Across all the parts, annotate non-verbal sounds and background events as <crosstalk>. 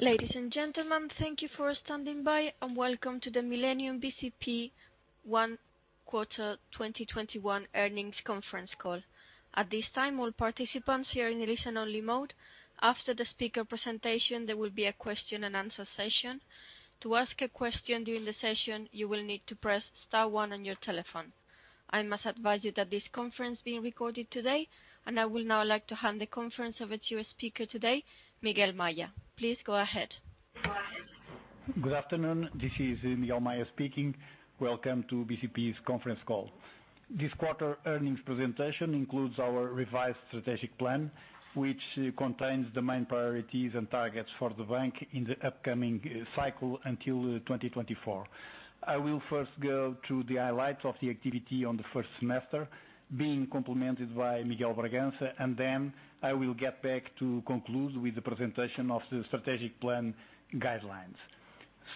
Ladies and gentlemen thank you for standing by and welcome to the Millennium BCP one quarter 2021 earnings conference call. At this time, all participants here in listen only mode. After the speaker presentation, there will be a question and answer session. To ask a question during the session, you will need to press star one on your telephone. I must advise you that this conference is being recorded today, and I will now like to hand the conference over to our speaker today, Miguel Maya. Please go ahead. Good afternoon. This is Miguel Maya speaking. Welcome to BCP's conference call. This quarter earnings presentation includes our revised strategic plan, which contains the main priorities and targets for the bank in the upcoming cycle until 2024. I will first go through the highlights of the activity on the first semester being complemented by Miguel de Bragança, and then I will get back to conclude with the presentation of the strategic plan guidelines.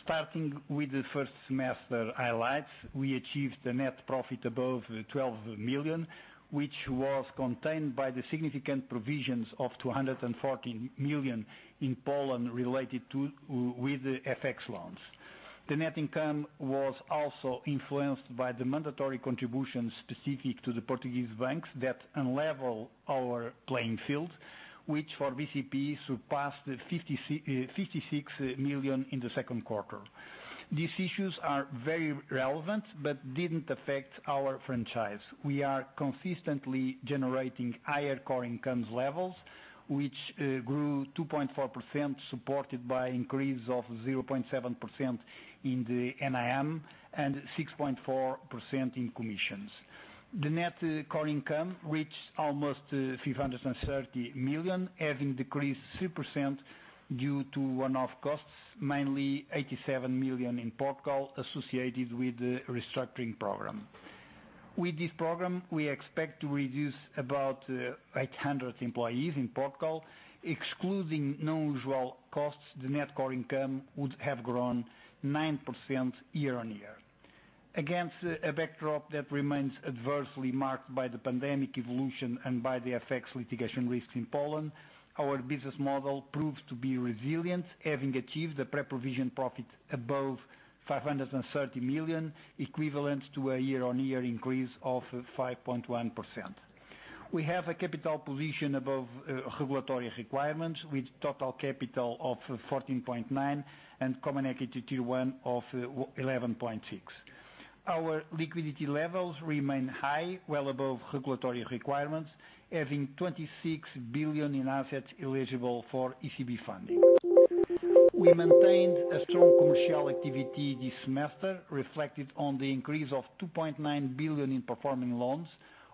Starting with the first semester highlights, we achieved a net profit above, 12 million, which was contained by the significant provisions of 240 million in Poland related with the FX loans. The net income was also influenced by the mandatory contributions specific to the Portuguese banks that unlevel our playing field, which for BCP surpassed 56 million in the second quarter. These issues are very relevant but didn't affect our franchise. We are consistently generating higher core incomes levels, which grew 2.4%, supported by increase of 0.7% in the NIM and 6.4% in commissions. The net core income reached almost 530 million, having decreased 3% due to one-off costs, mainly 87 million in Portugal associated with the restructuring program. With this program, we expect to reduce about 800 employees in Portugal, excluding non-usual costs, the net core income would have grown 9% year-on-year. Against a backdrop that remains adversely marked by the pandemic evolution and by the FX litigation risks in Poland, our business model proves to be resilient, having achieved a pre-provision profit above 530 million, equivalent to a year-on-year increase of 5.1%. We have a capital position above regulatory requirements with total capital of 14.9% and Common Equity Tier 1 of 11.6%. Our liquidity levels remain high, well above regulatory requirements, having 26 billion in assets eligible for ECB funding. We maintained a strong commercial activity this semester, reflected on the increase of 2.9 billion in performing loans,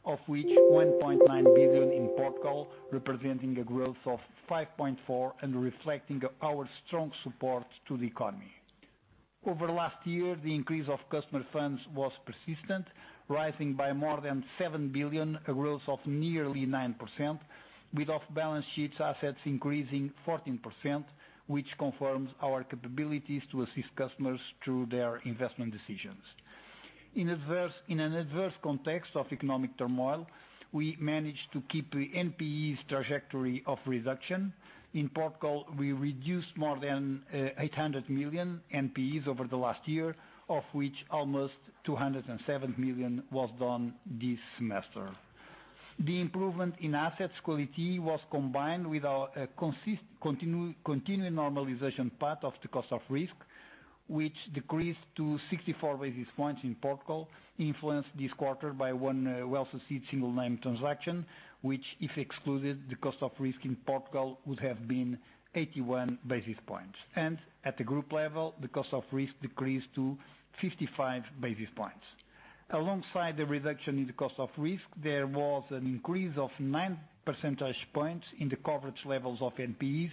of which 1.9 billion in Portugal, representing a growth of 5.4% and reflecting our strong support to the economy. Over last year, the increase of customer funds was persistent, rising by more than 7 billion, a growth of nearly 9%, with off-balance sheets assets increasing 14%, which confirms our capabilities to assist customers through their investment decisions. In an adverse context of economic turmoil, we managed to keep the NPEs trajectory of reduction. In Portugal, we reduced more than 800 million NPEs over the last year, of which almost 207 million was done this semester. The improvement in asset quality was combined with our continuing normalization part of the cost of risk, which decreased to 64 basis points in Portugal, influenced this quarter by one well-succeeded single name transaction, which if excluded, the cost of risk in Portugal would have been 81 basis points. At the group level, the cost of risk decreased to 55 basis points. Alongside the reduction in the cost of risk, there was an increase of 9 percentage points in the coverage levels of NPEs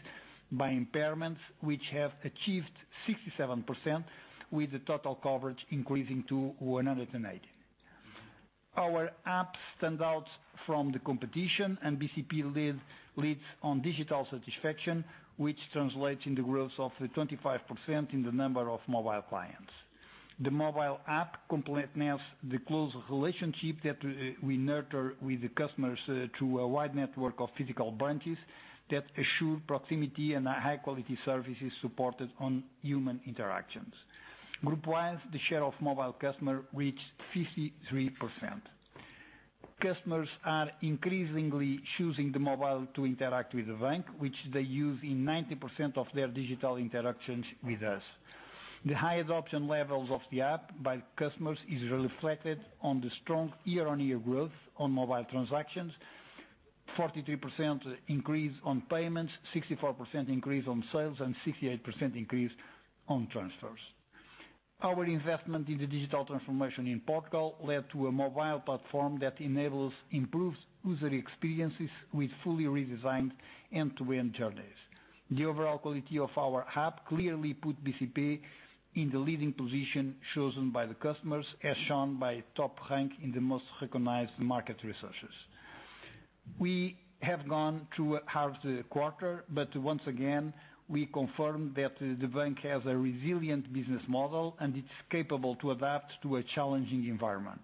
by impairments, which have achieved 67% with the total coverage increasing to 180. Our app stands out from the competition and BCP leads on digital satisfaction, which translates in the growth of the 25% in the number of mobile clients. The mobile app completeness, the close relationship that we nurture with the customers through a wide network of physical branches that assure proximity and high-quality services supported on human interactions. Group-wise, the share of mobile customer reached 53%. Customers are increasingly choosing the mobile to interact with the bank, which they use in 90% of their digital interactions with us. The high adoption levels of the app by customers is reflected on the strong year-on-year growth on mobile transactions, 43% increase on payments, 64% increase on sales, and 68% increase on transfers. Our investment in the digital transformation in Portugal led to a mobile platform that enables improved user experiences with fully redesigned end-to-end journeys. The overall quality of our app clearly put BCP in the leading position chosen by the customers, as shown by top rank in the most recognized market resources. Once again, we confirm that the bank has a resilient business model and it's capable to adapt to a challenging environment.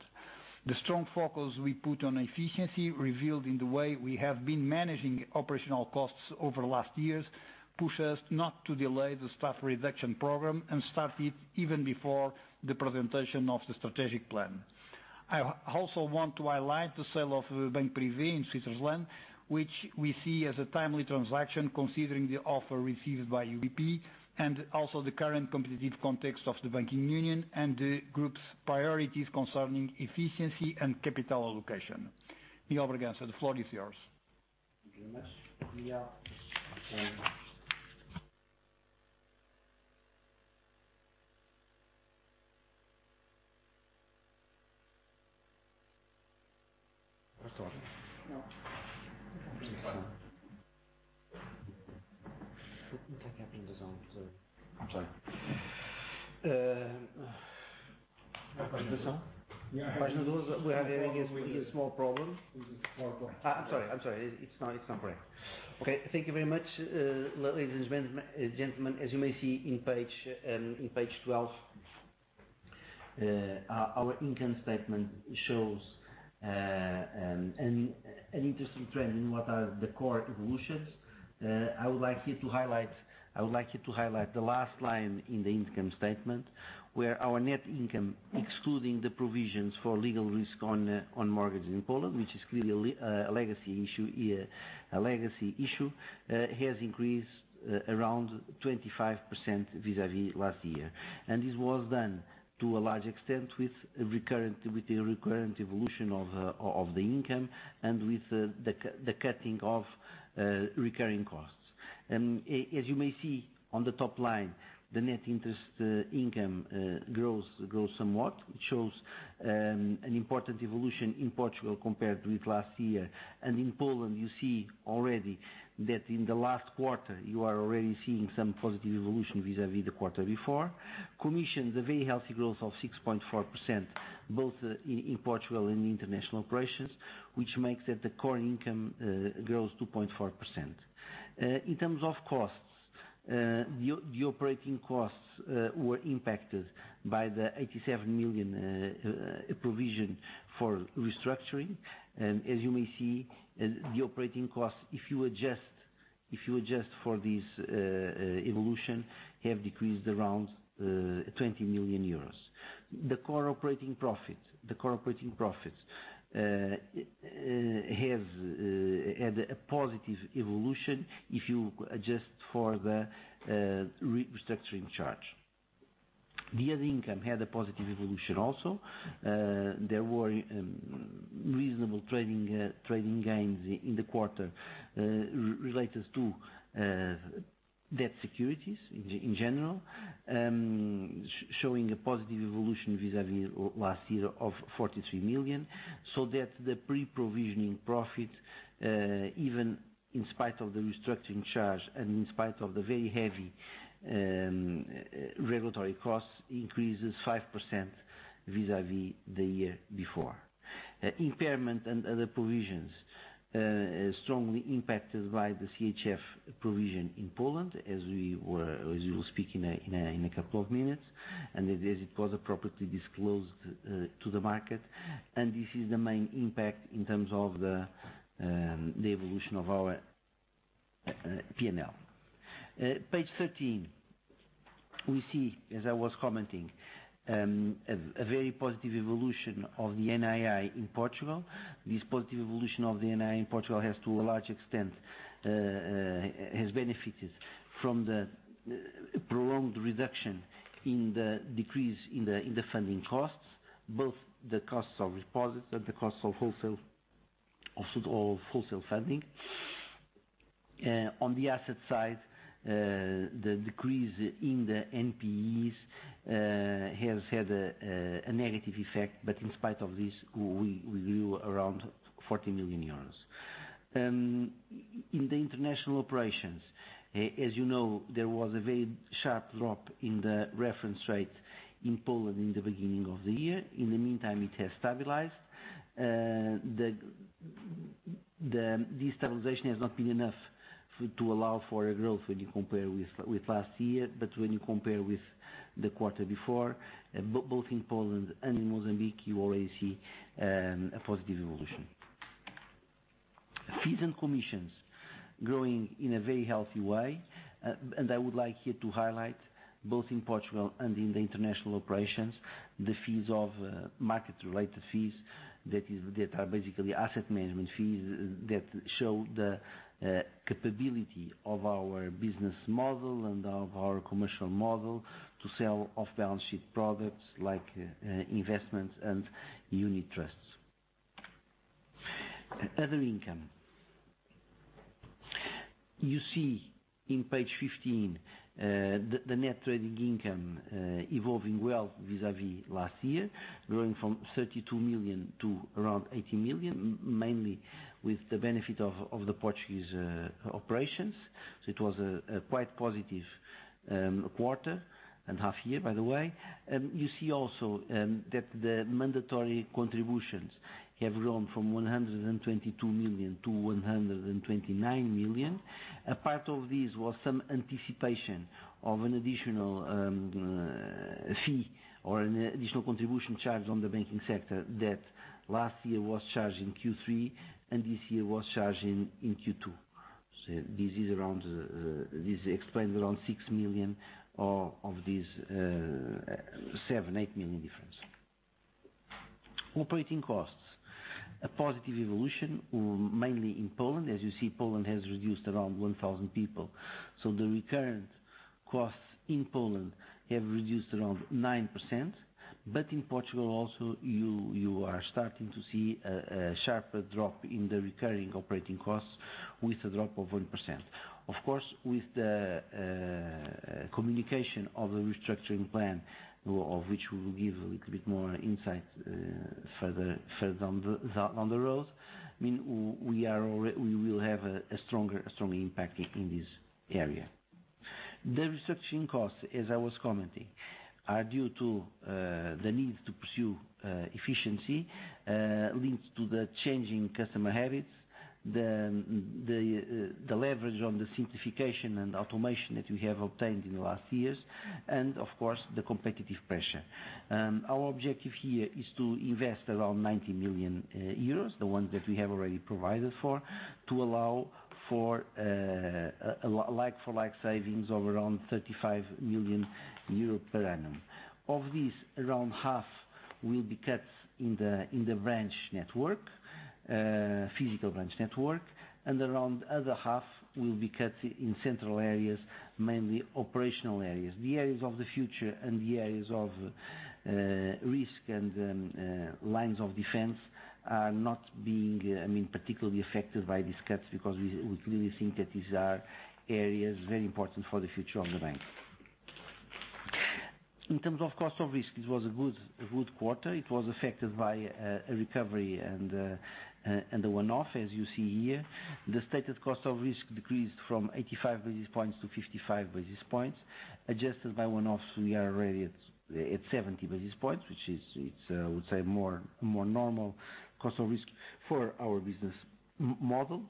The strong focus we put on efficiency revealed in the way we have been managing operational costs over the last years, push us not to delay the staff reduction program and start it even before the presentation of the strategic plan. I also want to highlight the sale of Millennium Banque Privée in Switzerland, which we see as a timely transaction, considering the offer received by UBP and also the current competitive context of the banking union and the group's priorities concerning efficiency and capital allocation. Miguel de Bragança the floor is yours. Thank you very much Maya. I'm sorry. We are having a small problem. Small problem. I am sorry. It is not correct. Okay, thank you very much ladies and gentlemen. As you may see in page 12, our income statement shows an interesting trend in what are the core evolutions. I would like here to highlight the last line in the income statement, where our net income, excluding the provisions for legal risk on mortgage in Poland, which is clearly a legacy issue here. A legacy issue has increased around 25% vis-à-vis last year. This was done to a large extent with the recurrent evolution of the income and with the cutting of recurring costs. As you may see on the top line, the net interest income grows somewhat. It shows an important evolution in Portugal compared with last year. In Poland, you see already that in the last quarter, you are already seeing some positive evolution vis-à-vis the quarter before. Commission, the very healthy growth of 6.4% both in Portugal and international operations, which makes that the core income grows 2.4%. In terms of costs, the operating costs were impacted by the 87 million provision for restructuring. As you may see, the operating costs, if you adjust for this evolution, have decreased around 20 million euros. The core operating profits had a positive evolution if you adjust for the restructuring charge. The other income had a positive evolution also. There were reasonable trading gains in the quarter related to debt securities in general, showing a positive evolution vis-à-vis last year of 43 million, so that the pre-provision profit even in spite of the restructuring charge and in spite of the very heavy regulatory costs, increases 5% vis-à-vis the year before. Impairment and other provisions, strongly impacted by the CHF provision in Poland, as we will speak in a couple of minutes. It was appropriately disclosed to the market, this is the main impact in terms of the evolution of our P&L. Page 13. We see, as I was commenting, a very positive evolution of the NII in Portugal. This positive evolution of the NII in Portugal has benefited from the prolonged reduction in the decrease in the funding costs, both the costs of deposits and the costs of wholesale funding. On the asset side, the decrease in the NPEs has had a negative effect, in spite of this, we grew around 40 million euros. In the international operations, as you know, there was a very sharp drop in the reference rate in Poland in the beginning of the year. In the meantime, it has stabilized. This stabilization has not been enough to allow for a growth when you compare with last year. When you compare with the quarter before, both in Poland and in Mozambique, you already see a positive evolution. Fees and commissions growing in a very healthy way. I would like here to highlight, both in Portugal and in the international operations, the fees of market-related fees that are basically asset management fees that show the capability of our business model and of our commercial model to sell off balance sheet products like investments and unit trusts. Other income. You see in page 15, the net trading income evolving well vis-a-vis last year, growing from 32 million to around 80 million, mainly with the benefit of the Portuguese operations. It was a quite positive quarter and half year, by the way. You see also that the mandatory contributions have grown from 122 million-129 million. A part of this was some anticipation of an additional fee or an additional contribution charge on the banking sector that last year was charged in Q3 and this year was charged in Q2. This explains around 6 million of this 7 million-8 million difference. Operating costs. A positive evolution, mainly in Poland. As you see, Poland has reduced around 1,000 people. The recurrent costs in Poland have reduced around 9%, but in Portugal also you are starting to see a sharper drop in the recurring operating costs with a drop of 1%. Of course, with the communication of the restructuring plan, of which we will give a little bit more insight further down the road, we will have a stronger impact in this area. The restructuring costs, as I was commenting, are due to the need to pursue efficiency linked to the changing customer habits, the leverage on the simplification and automation that we have obtained in the last years, and of course, the competitive pressure. Our objective here is to invest around 90 million euros, the one that we have already provided for, to allow for like-for-like savings of around 35 million euro per annum. Of this, around half will be cut in the branch network, physical branch network, and around other half will be cut in central areas, mainly operational areas. The areas of the future and the areas of cost of risk and lines of defense are not being particularly affected by these cuts because we clearly think that these are areas very important for the future of the bank. In terms of cost of risk, it was a good quarter. It was affected by a recovery and a one-off, as you see here. The stated cost of risk decreased from 85 basis points to 55 basis points. Adjusted by one-offs, we are already at 70 basis points, which is, I would say, more normal cost of risk for our business model.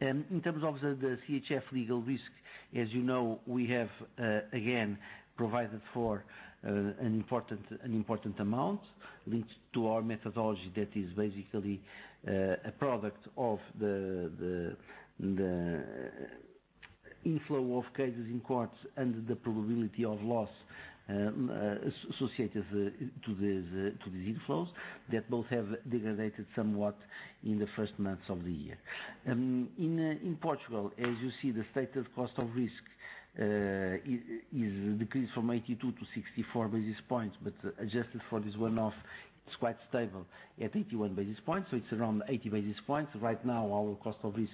In terms of the CHF legal risk, as you know, we have again provided for an important amount linked to our methodology that is basically a product of the inflow of cases in courts and the probability of loss associated to these inflows that both have degraded somewhat in the first months of the year. In Portugal, as you see, the stated cost of risk is decreased from 82 basis points-64 basis points, but adjusted for this one-off, it is quite stable at 81 basis points, so it is around 80 basis points. Right now, our cost of risk,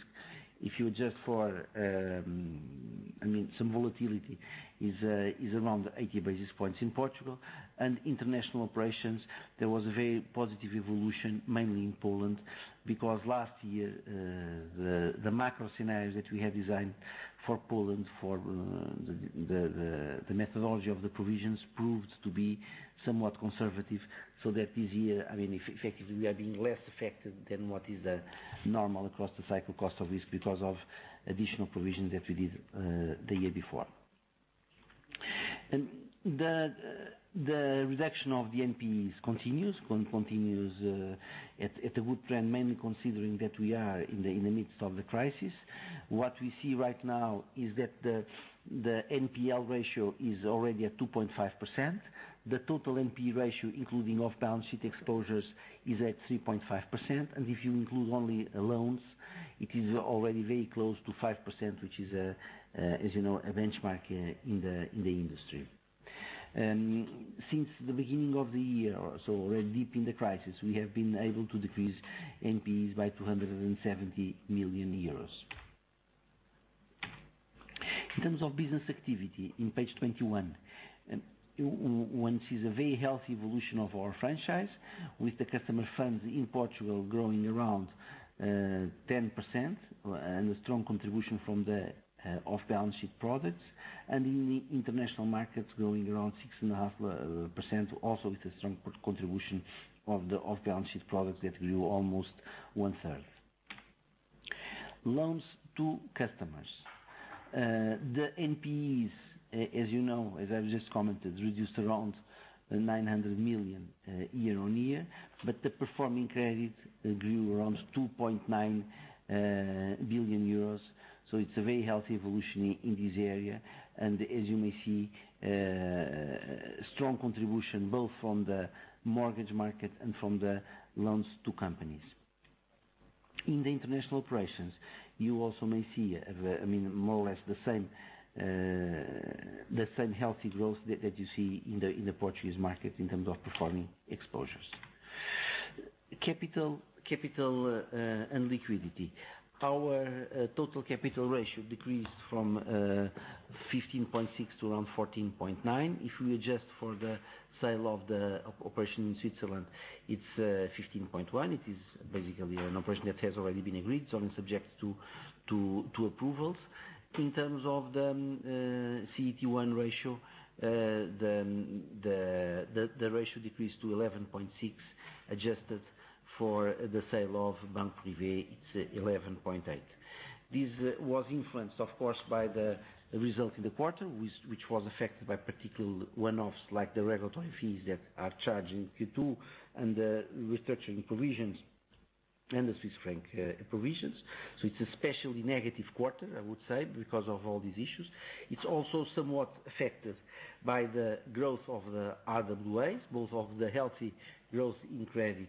if you adjust for some volatility is around 80 basis points in Portugal. International operations, there was a very positive evolution, mainly in Poland, because last year the macro scenarios that we had designed for Poland for the methodology of the provisions proved to be somewhat conservative, so that this year, effectively, we are being less affected than what is the normal across the cycle cost of risk because of additional provisions that we did the year before. The reduction of the NPEs continues at a good trend, mainly considering that we are in the midst of the crisis. What we see right now is that the NPL ratio is already at 2.5%. The total NPE ratio, including off-balance sheet exposures, is at 3.5%. If you include only loans, it is already very close to 5%, which is, as you know, a benchmark in the industry. Since the beginning of the year, so already deep in the crisis, we have been able to decrease NPEs by 270 million euros. In terms of business activity in page 21. One sees a very healthy evolution of our franchise with the customer funds in Portugal growing around 10% and a strong contribution from the off-balance sheet products, and in the international markets growing around 6.5%, also with a strong contribution of the off-balance sheet products that grew almost one-third. Loans to customers. The NPEs, as you know, as I've just commented, reduced around 900 million year-on-year, but the performing credit grew around 2.9 billion euros. It's a very healthy evolution in this area. As you may see, strong contribution both from the mortgage market and from the loans to companies. In the international operations, you also may see more or less the same healthy growth that you see in the Portuguese market in terms of performing exposures. Capital and liquidity. Our total capital ratio decreased from 15.6% to around 14.9%. If we adjust for the sale of the operation in Switzerland, it's 15.1%. It is basically an operation that has already been agreed, only subject to approvals. In terms of the CET1 ratio, the ratio decreased to 11.6%, adjusted for the sale of Banco Privée, it's 11.8%. This was influenced, of course, by the result in the quarter, which was affected by particular one-offs like the regulatory fees that are charged in Q2 and the restructuring provisions and the Swiss franc provisions. It's especially negative quarter, I would say because of all these issues. It's also somewhat affected by the growth of the RWA, both of the healthy growth in credit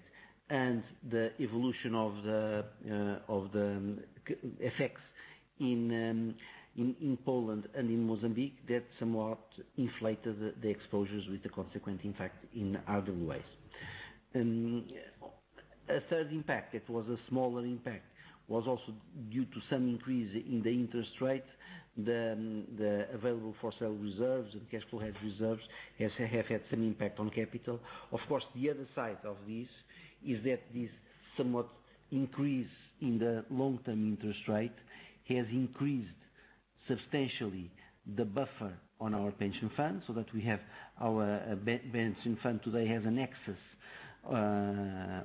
and the evolution of the FX in Poland and in Mozambique that somewhat inflated the exposures with the consequent impact in RWA. A third impact that was a smaller impact was also due to some increase in the interest rate. The available for sale reserves and cash flow hedge reserves have had some impact on capital. Of course, the other side of this is that this somewhat increase in the long-term interest rate has increased substantially the buffer on our pension fund so that our pension fund today has an excess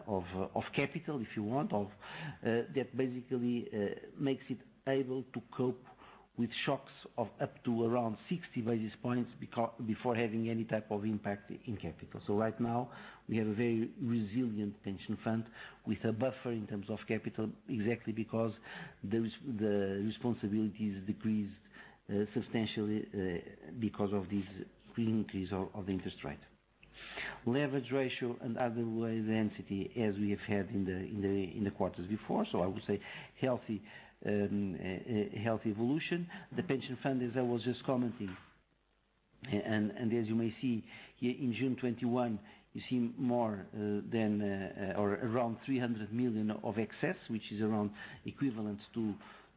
of capital, if you want, that basically makes it able to cope with shocks of up to around 60 basis points before having any type of impact in capital. Right now, we have a very resilient pension fund with a buffer in terms of capital, exactly because the responsibilities decreased substantially because of this increase of interest rate. Leverage ratio and RWA density as we have had in the quarters before. I would say healthy evolution. The pension fund, as I was just commenting, and as you may see here in June 2021, you see more than or around 300 million of excess, which is around equivalent to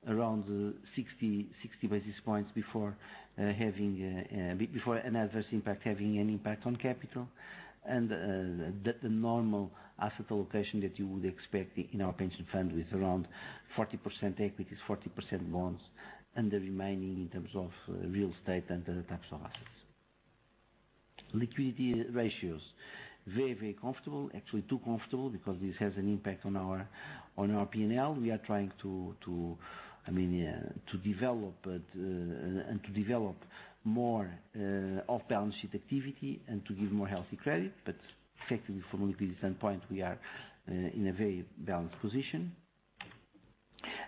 around 60 basis points before an adverse impact having an impact on capital. The normal asset allocation that you would expect in our pension fund with around 40% equities, 40% bonds, and the remaining in terms of real estate and other types of assets. Liquidity ratios, very comfortable. Actually, too comfortable because this has an impact on our P&L. We are trying to develop more off-balance sheet activity and to give more healthy credit. Effectively, from a liquidity standpoint, we are in a very balanced position.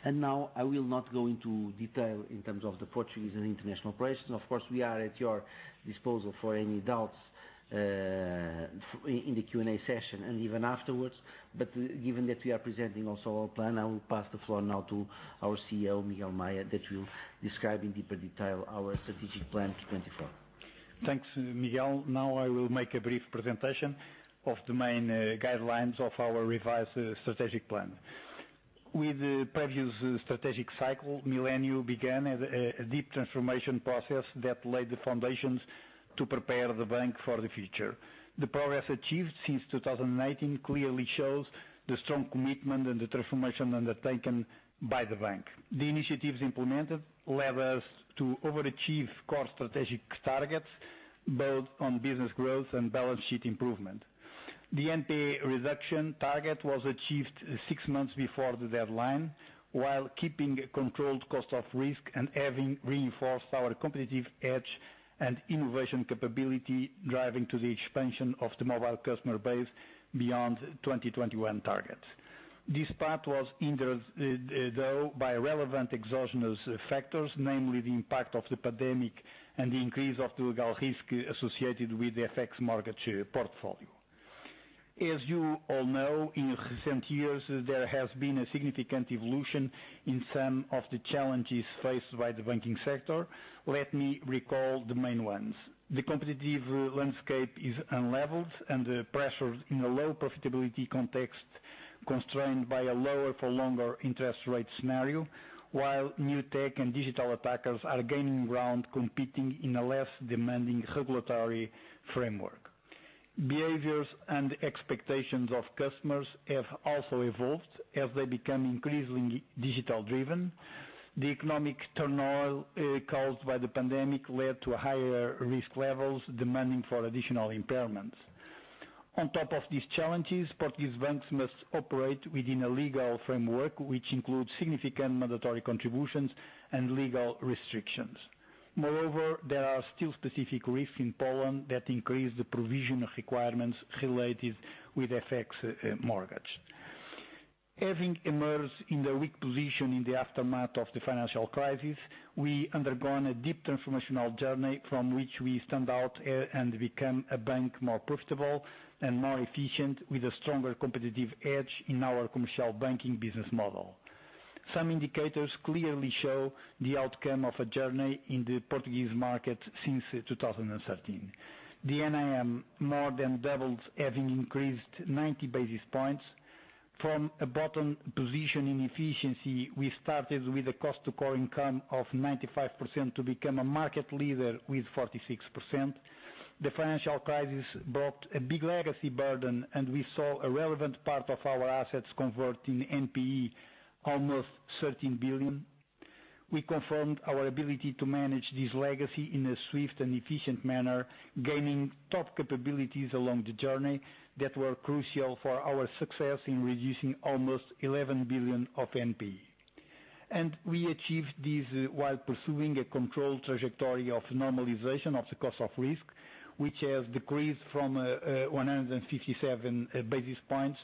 Now I will not go into detail in terms of the Portuguese and international operations. Of course, we are at your disposal for any doubts in the Q&A session and even afterwards. Given that we are presenting also our plan, I will pass the floor now to our CEO, Miguel Maya that will describe in deeper detail our strategic plan to 2024. Thanks Miguel. Now I will make a brief presentation of the main guidelines of our revised strategic plan. With the previous strategic cycle, Millennium began a deep transformation process that laid the foundations to prepare the bank for the future. The progress achieved since 2019 clearly shows the strong commitment and the transformation undertaken by the bank. The initiatives implemented led us to overachieve core strategic targets, both on business growth and balance sheet improvement. The NPA reduction target was achieved six months before the deadline while keeping a controlled cost of risk and having reinforced our competitive edge and innovation capability, driving to the expansion of the mobile customer base beyond 2021 targets. This part was hindered, though, by relevant exogenous factors, namely the impact of the pandemic and the increase of the legal risk associated with the FX mortgage portfolio. As you all know, in recent years, there has been a significant evolution in some of the challenges faced by the banking sector. Let me recall the main ones. The competitive landscape is unleveled and the pressure in a low profitability context constrained by a lower for longer interest rate scenario while new tech and digital attackers are gaining ground competing in a less demanding regulatory framework. Behaviors and expectations of customers have also evolved as they become increasingly digital-driven. The economic turmoil caused by the pandemic led to higher risk levels demanding for additional impairments. On top of these challenges, Portuguese banks must operate within a legal framework which includes significant mandatory contributions and legal restrictions. Moreover, there are still specific risks in Poland that increase the provision requirements related with FX mortgage. Having emerged in the weak position in the aftermath of the financial crisis, we undergone a deep transformational journey from which we stand out and become a bank more profitable and more efficient with a stronger competitive edge in our commercial banking business model. Some indicators clearly show the outcome of a journey in the Portuguese market since 2013. The NIM more than doubled, having increased 90 basis points. From a bottom position in efficiency, we started with a cost-to-core income of 95% to become a market leader with 46%. We saw a relevant part of our assets convert in NPE, almost 13 billion. We confirmed our ability to manage this legacy in a swift and efficient manner, gaining top capabilities along the journey that were crucial for our success in reducing almost 11 billion of NPE. We achieved this while pursuing a controlled trajectory of normalization of the cost of risk, which has decreased from 157 basis points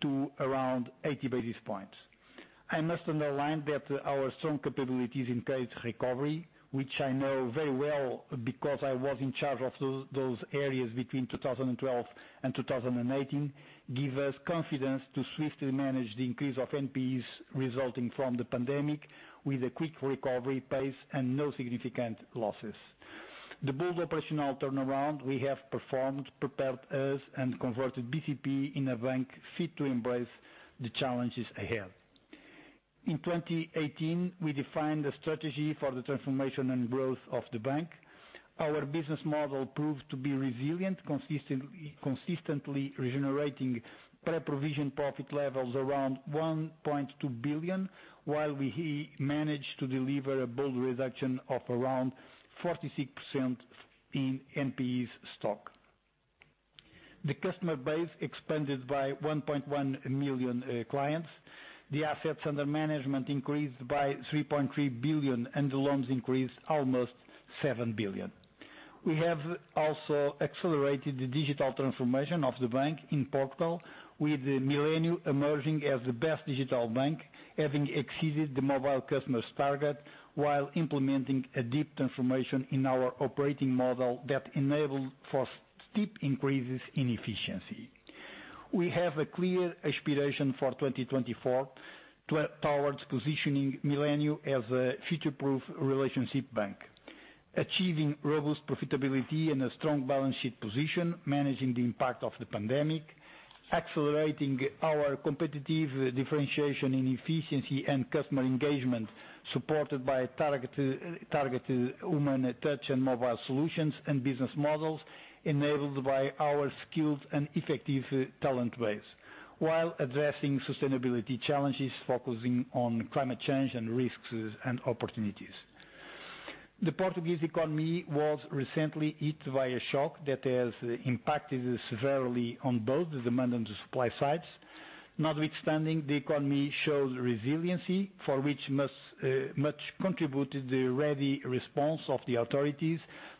to around 80 basis points. I must underline that our strong capabilities in credit recovery, which I know very well because I was in charge of those areas between 2012 and 2018, give us confidence to swiftly manage the increase of NPEs resulting from the pandemic with a quick recovery pace and no significant losses. The bold operational turnaround we have performed prepared us and converted BCP in a bank fit to embrace the challenges ahead. In 2018, we defined a strategy for the transformation and growth of the bank. Our business model proved to be resilient, consistently regenerating pre-provision profit levels around 1.2 billion, while we managed to deliver a bold reduction of around 46% in NPEs stock. The customer base expanded by 1.1 million clients. The assets under management increased by 3.3 billion and the loans increased almost 7 billion. We have also accelerated the digital transformation of the bank in Portugal with Millennium emerging as the best digital bank, having exceeded the mobile customers target while implementing a deep transformation in our operating model that enabled for steep increases in efficiency. We have a clear aspiration for 2024 towards positioning Millennium as a future-proof relationship bank, achieving robust profitability and a strong balance sheet position, managing the impact of the pandemic, accelerating our competitive differentiation in efficiency and customer engagement, supported by targeted human touch and mobile solutions and business models enabled by our skilled and effective talent base while addressing sustainability challenges, focusing on climate change and risks and opportunities. The Portuguese economy was recently hit by a shock that has impacted severely on both the demand and supply sides. Notwithstanding, the economy shows resilience, for which much contributed the ready response of the authorities,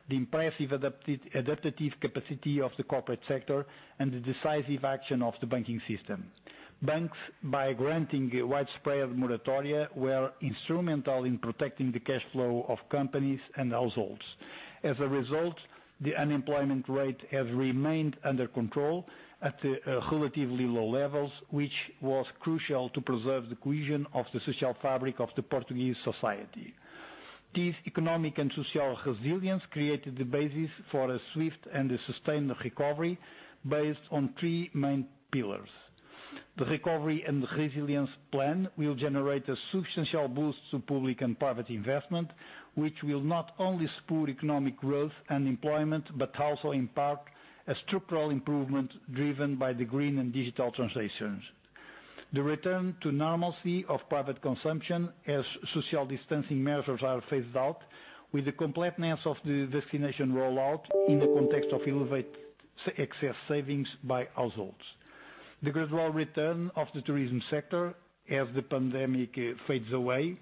the impressive adaptive capacity of the corporate sector, and the decisive action of the banking system. Banks, by granting widespread moratoria, were instrumental in protecting the cash flow of companies and households. As a result, the unemployment rate has remained under control at relatively low levels, which was crucial to preserve the cohesion of the social fabric of the Portuguese society. This economic and social resilience created the basis for a swift and a sustained recovery based on three main pillars. The Recovery and Resilience Plan will generate a substantial boost to public and private investment, which will not only support economic growth and employment, but also impact a structural improvement driven by the green and digital transitions. The return to normalcy of private consumption as social distancing measures are phased out with the completeness of the vaccination rollout in the context of elevated excess savings by households. The gradual return of the tourism sector as the pandemic fades away.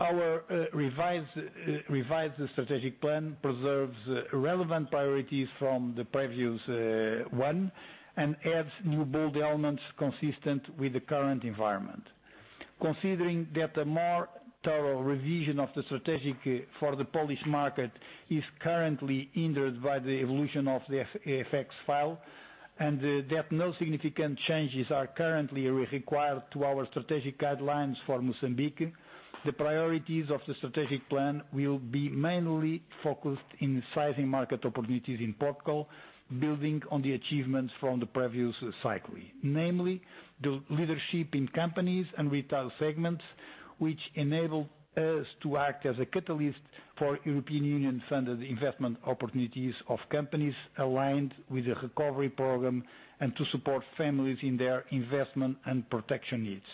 Our revised strategic plan preserves relevant priorities from the previous one and adds new bold elements consistent with the current environment. Considering that a more thorough revision of the strategic for the Polish market is currently hindered by the evolution of the FX file and that no significant changes are currently required to our strategic guidelines for Mozambique, the priorities of the strategic plan will be mainly focused in sizing market opportunities in Portugal, building on the achievements from the previous cycle, namely, the leadership in companies and retail segments, which enable us to act as a catalyst for European Union-funded investment opportunities of companies aligned with the recovery program and to support families in their investment and protection needs.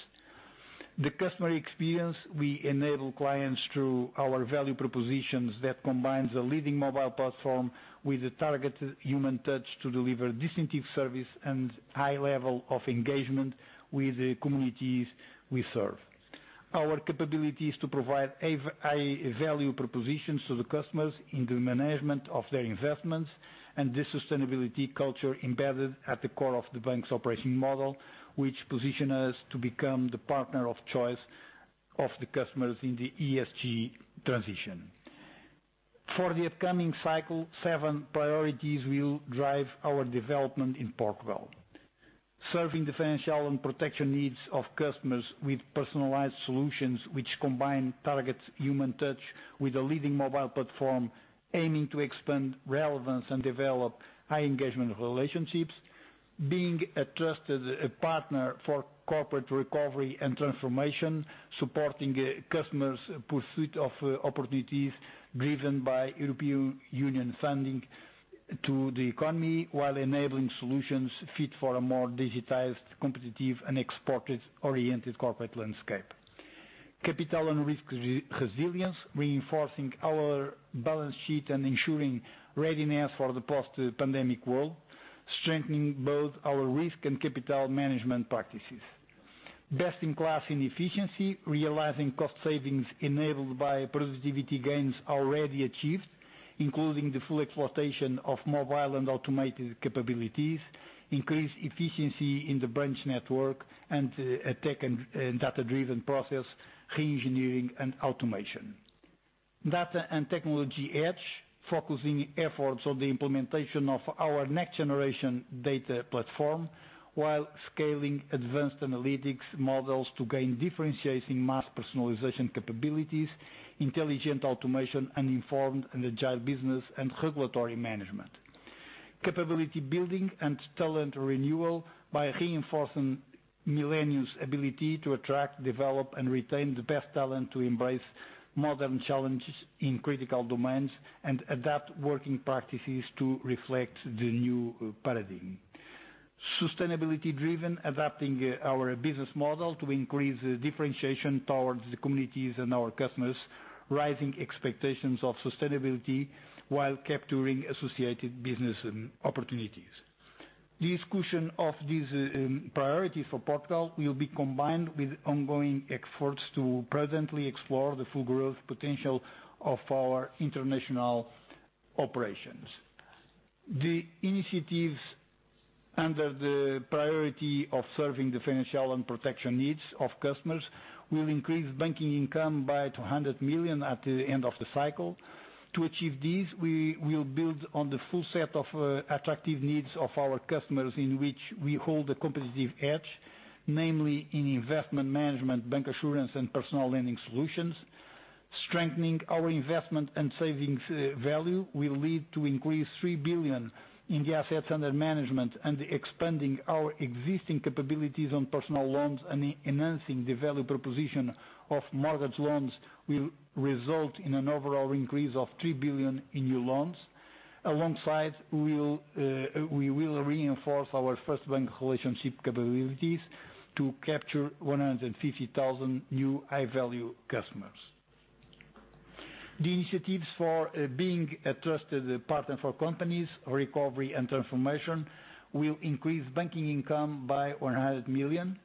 The customer experience, we enable clients through our value propositions that combines a leading mobile platform with a targeted human touch to deliver distinctive service and high level of engagement with the communities we serve. Our capability is to provide high-value propositions to the customers in the management of their investments and the sustainability culture embedded at the core of the bank's operating model, which position us to become the partner of choice of the customers in the ESG transition. For the upcoming cycle, seven priorities will drive our development in Portugal. Serving the financial and protection needs of customers with personalized solutions which combine targeted human touch with a leading mobile platform, aiming to expand relevance and develop high engagement relationships. Being a trusted partner for corporate recovery and transformation, supporting customers' pursuit of opportunities driven by European Union funding to the economy while enabling solutions fit for a more digitized, competitive, and exported-oriented corporate landscape. Capital and risk resilience, reinforcing our balance sheet and ensuring readiness for the post-pandemic world, strengthening both our risk and capital management practices. Best in class in efficiency, realizing cost savings enabled by productivity gains already achieved, including the full exploitation of mobile and automated capabilities, increased efficiency in the branch network, and tech and data-driven process re-engineering and automation. Data and technology edge, focusing efforts on the implementation of our next generation data platform while scaling advanced analytics models to gain differentiating mass personalization capabilities, intelligent automation, and informed and agile business and regulatory management. Capability building and talent renewal by reinforcing Millennium's ability to attract, develop, and retain the best talent to embrace modern challenges in critical domains and adapt working practices to reflect the new paradigm. Sustainability driven, adapting our business model to increase differentiation towards the communities and our customers, rising expectations of sustainability while capturing associated business opportunities. Discussion of these priorities for Portugal will be combined with ongoing efforts to presently explore the full growth potential of our international operations. The initiatives under the priority of serving the financial and protection needs of customers will increase banking income by 200 million at the end of the cycle. To achieve this, we will build on the full set of attractive needs of our customers in which we hold a competitive edge, namely in investment management, bancassurance, and personal lending solutions. Strengthening our investment and savings value will lead to increased 3 billion in the assets under management and expanding our existing capabilities on personal loans and enhancing the value proposition of mortgage loans will result in an overall increase of 3 billion in new loans. Alongside, we will reinforce our first bank relationship capabilities to capture 150,000 new high-value customers. The initiatives for being a trusted partner for companies recovery and transformation will increase banking income by 100 million.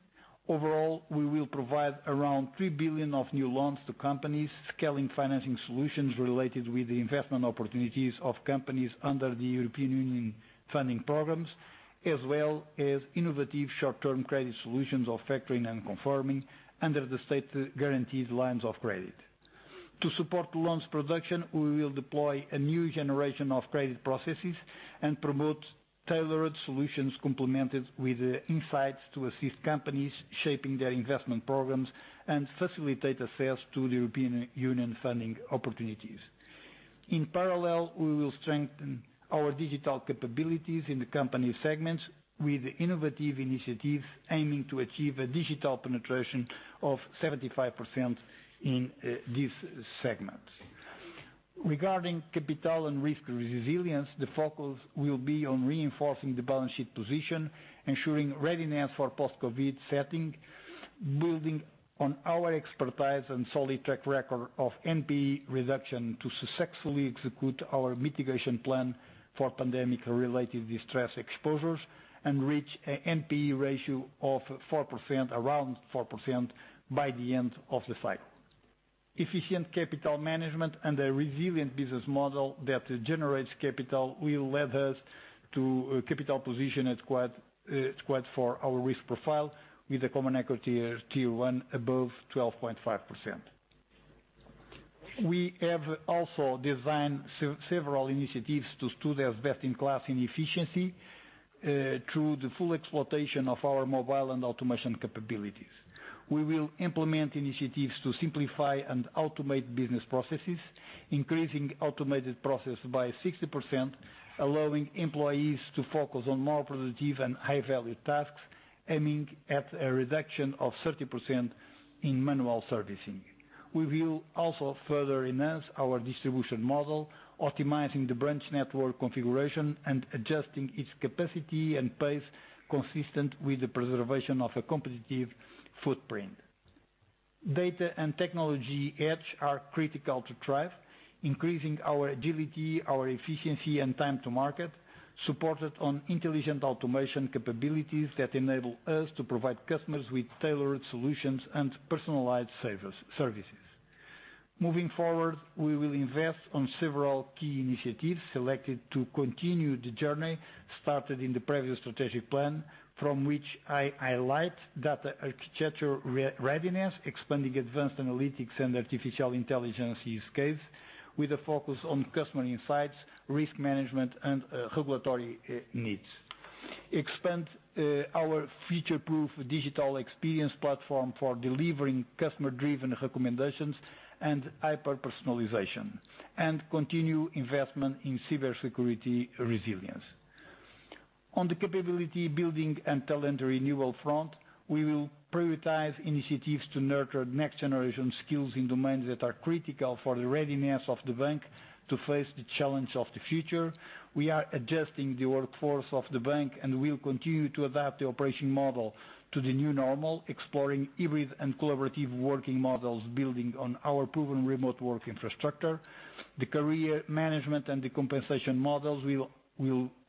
Overall, we will provide around 3 billion of new loans to companies scaling financing solutions related with the investment opportunities of companies under the European Union funding programs, as well as innovative short-term credit solutions of factoring and confirming under the state guarantees lines of credit. To support loans production, we will deploy a new generation of credit processes and promote tailored solutions complemented with insights to assist companies shaping their investment programs and facilitate access to the European Union funding opportunities. In parallel, we will strengthen our digital capabilities in the company segments with innovative initiatives aiming to achieve a digital penetration of 75% in these segments. Regarding capital and risk resilience, the focus will be on reinforcing the balance sheet position, ensuring readiness for post-COVID setting, building on our expertise and solid track record of NPE reduction to successfully execute our mitigation plan for pandemic-related distress exposures and reach a NPE ratio of around 4% by the end of the cycle. Efficient capital management and a resilient business model that generates capital will lead us to a capital position that's quite for our risk profile with a Common Equity Tier 1 above 12.5%. We have also designed several initiatives to stand as best in class in efficiency through the full exploitation of our mobile and automation capabilities. We will implement initiatives to simplify and automate business processes, increasing automated processes by 60%, allowing employees to focus on more productive and high-value tasks, aiming at a reduction of 30% in manual servicing. We will also further enhance our distribution model, optimizing the branch network configuration and adjusting its capacity and pace consistent with the preservation of a competitive footprint. Data and technology edge are critical to thrive, increasing our agility, our efficiency, and time to market, supported on intelligent automation capabilities that enable us to provide customers with tailored solutions and personalized services. Moving forward, we will invest on several key initiatives selected to continue the journey started in the previous strategic plan from which I highlight data architecture readiness, expanding advanced analytics and artificial intelligence use case with a focus on customer insights, risk management, and regulatory needs. Expand our future-proof digital experience platform for delivering customer-driven recommendations and hyper-personalization. Continue investment in cybersecurity resilience. On the capability building and talent renewal front, we will prioritize initiatives to nurture next-generation skills in domains that are critical for the readiness of the bank to face the challenge of the future. We are adjusting the workforce of the bank and will continue to adapt the operation model to the new normal, exploring hybrid and collaborative working models, building on our proven remote work infrastructure. The career management and the compensation models will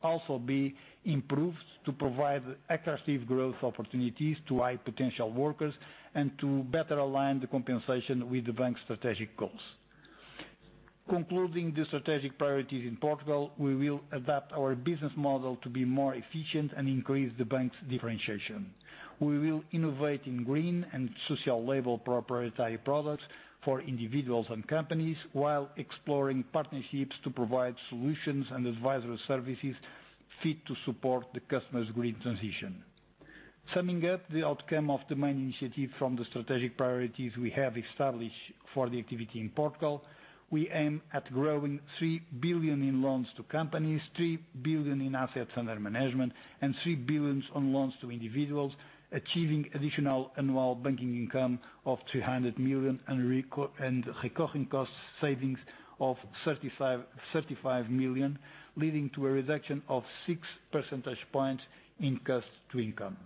also be improved to provide attractive growth opportunities to high potential workers and to better align the compensation with the bank's strategic goals. Concluding the strategic priorities in Portugal, we will adapt our business model to be more efficient and increase the bank's differentiation. We will innovate in green and social label proprietary products for individuals and companies while exploring partnerships to provide solutions and advisory services fit to support the customer's green transition. Summing up the outcome of the main initiative from the strategic priorities we have established for the activity in Portugal, we aim at growing 3 billion in loans to companies, 3 billion in assets under management, and 3 billion on loans to individuals, achieving additional annual banking income of 300 million and recurring cost savings of 35 million, leading to a reduction of 6 percentage points in cost-to-income.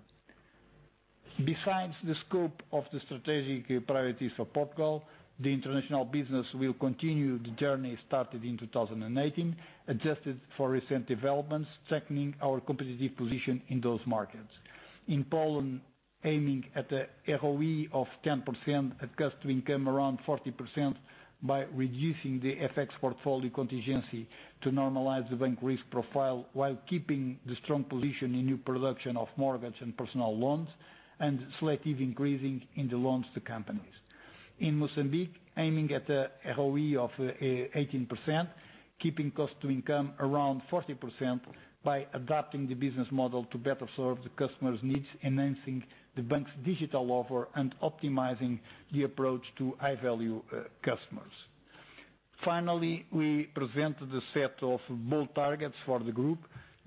Besides the scope of the strategic priorities for Portugal, the international business will continue the journey started in 2018, adjusted for recent developments, strengthening our competitive position in those markets. In Poland, aiming at a ROE of 10%, a cost-to-income around 40% by reducing the FX portfolio contingency to normalize the bank risk profile while keeping the strong position in new production of mortgage and personal loans, and selective increasing in the loans to companies. In Mozambique, aiming at a ROE of 18%, keeping cost-to-income around 40% by adapting the business model to better serve the customer's needs, enhancing the bank's digital offer, and optimizing the approach to high-value customers. Finally, we present the set of bold targets for the group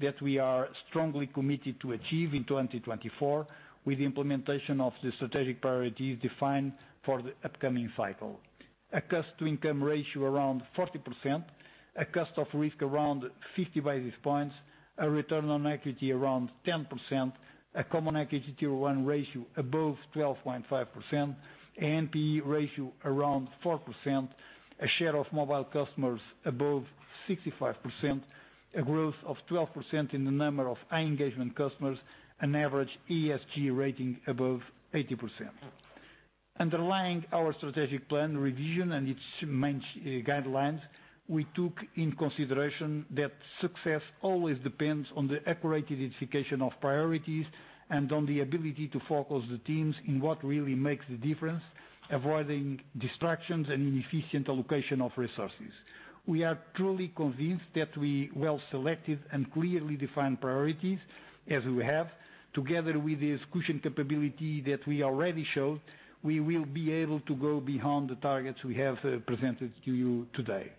that we are strongly committed to achieve in 2024 with the implementation of the strategic priorities defined for the upcoming cycle. A cost-to-income ratio around 40%, a cost of risk around 50 basis points, a return on equity around 10%, a Common Equity Tier 1 ratio above 12.5%, NPE ratio around 4%, a share of mobile customers above 65%, a growth of 12% in the number of high-engagement customers, an average ESG rating above 80%. Underlying our strategic plan revision and its guidelines, we took into consideration that success always depends on the accurate identification of priorities and on the ability to focus the teams in what really makes the difference, avoiding distractions and inefficient allocation of resources. We are truly convinced that with well-selected and clearly defined priorities as we have, together with the execution capability that we already showed, we will be able to go beyond the targets we have presented to you today.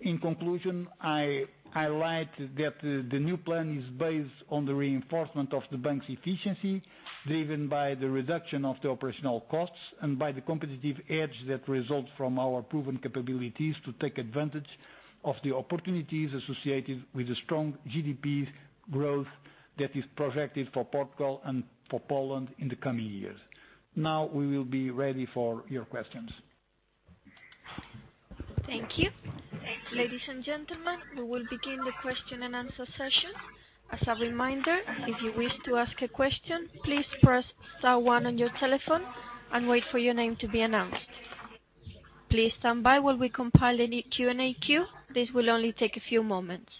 In conclusion, I highlight that the new plan is based on the reinforcement of the bank's efficiency, driven by the reduction of the operational costs and by the competitive edge that results from our proven capabilities to take advantage of the opportunities associated with the strong GDP growth that is projected for Portugal and for Poland in the coming years. Now we will be ready for your questions. Thank you. Ladies and gentlemen, we will begin the question and answer session. As a reminder, if you wish to ask a question, please press star one on your telephone and wait for your name to be announced. Please stand by while we compile any Q&A queue. This will only take a few moments.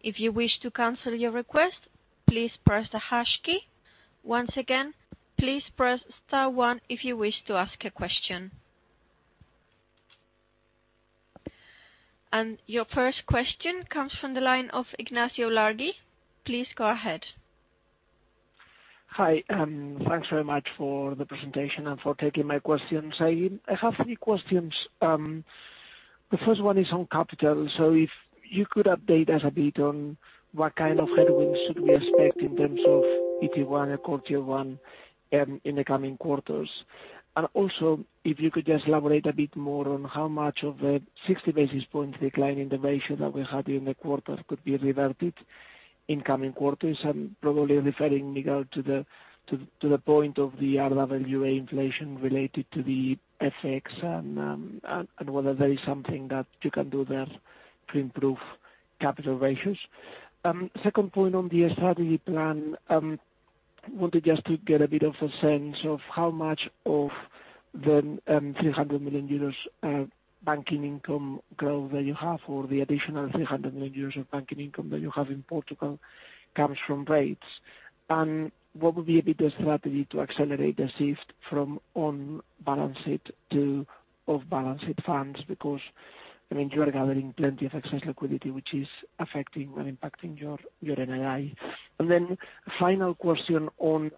If you wish to cancel your request, please press the hash key. Once again, please press star one if you wish to ask a question. Your first question comes from the line of Ignacio Ulargui. Please go ahead. Hi thanks very much for the presentation and for taking my questions. I have three questions. The first one is on capital. If you could update us a bit on what kind of headwinds should we expect in terms of CET1 and quarter one in the coming quarters. Also, if you could just elaborate a bit more on how much of a 60 basis point decline in the ratio that we had in the quarter could be reverted in coming quarters, probably referring, Miguel, to the point of the RWA inflation related to the FX and whether there is something that you can do there to improve capital ratios. Second point on the strategy plan, wanted just to get a bit of a sense of how much of the 300 million euros banking income growth that you have or the additional 300 million euros of banking income that you have in Portugal comes from rates. What would be a better strategy to accelerate the shift from on-balance sheet to off-balance sheet funds? Because you are gathering plenty of excess liquidity, which is affecting and impacting your NII. Final question on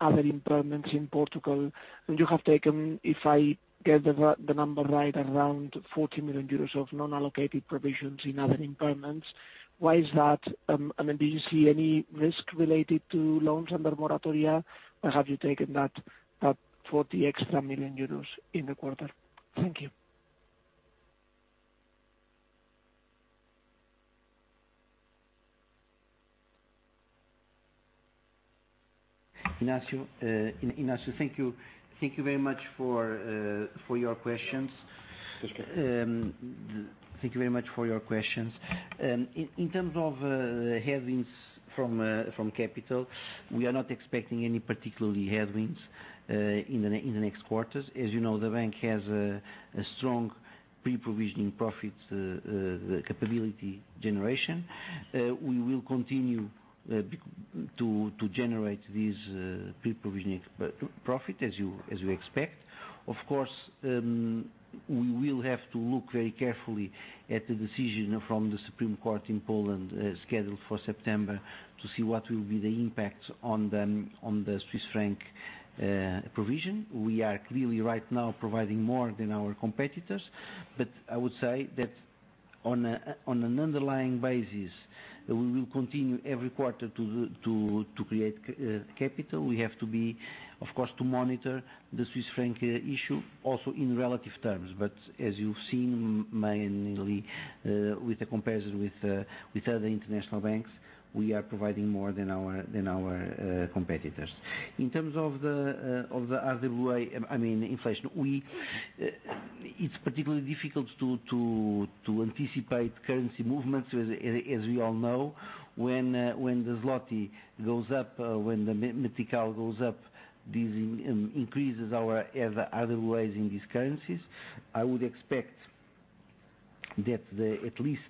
other impairments in Portugal. You have taken, if I get the number right, around 40 million euros of non-allocated provisions in other impairments. Why is that? Do you see any risk related to loans under moratoria, or have you taken that extra 40 million euros in the quarter? Thank you. Ignacio, thank you very much for your questions. In terms of headwinds from capital, we are not expecting any particular headwinds in the next quarters. As you know, the bank has a strong pre-provisioning profits capability generation. We will continue to generate these pre-provisioning profit as we expect. Of course, we will have to look very carefully at the decision from the Supreme Court of Poland, scheduled for September, to see what will be the impact on the Swiss franc provision. We are clearly, right now, providing more than our competitors. I would say that on an underlying basis, we will continue every quarter to create capital. We have to, of course, monitor the Swiss franc issue also in relative terms. As you've seen mainly with the comparison with other international banks, we are providing more than our competitors. In terms of the RWA, I mean, inflation, it is particularly difficult to anticipate currency movements, as we all know. When the zloty goes up, when the metical goes up, this increases our RWA in these currencies. I would expect that at least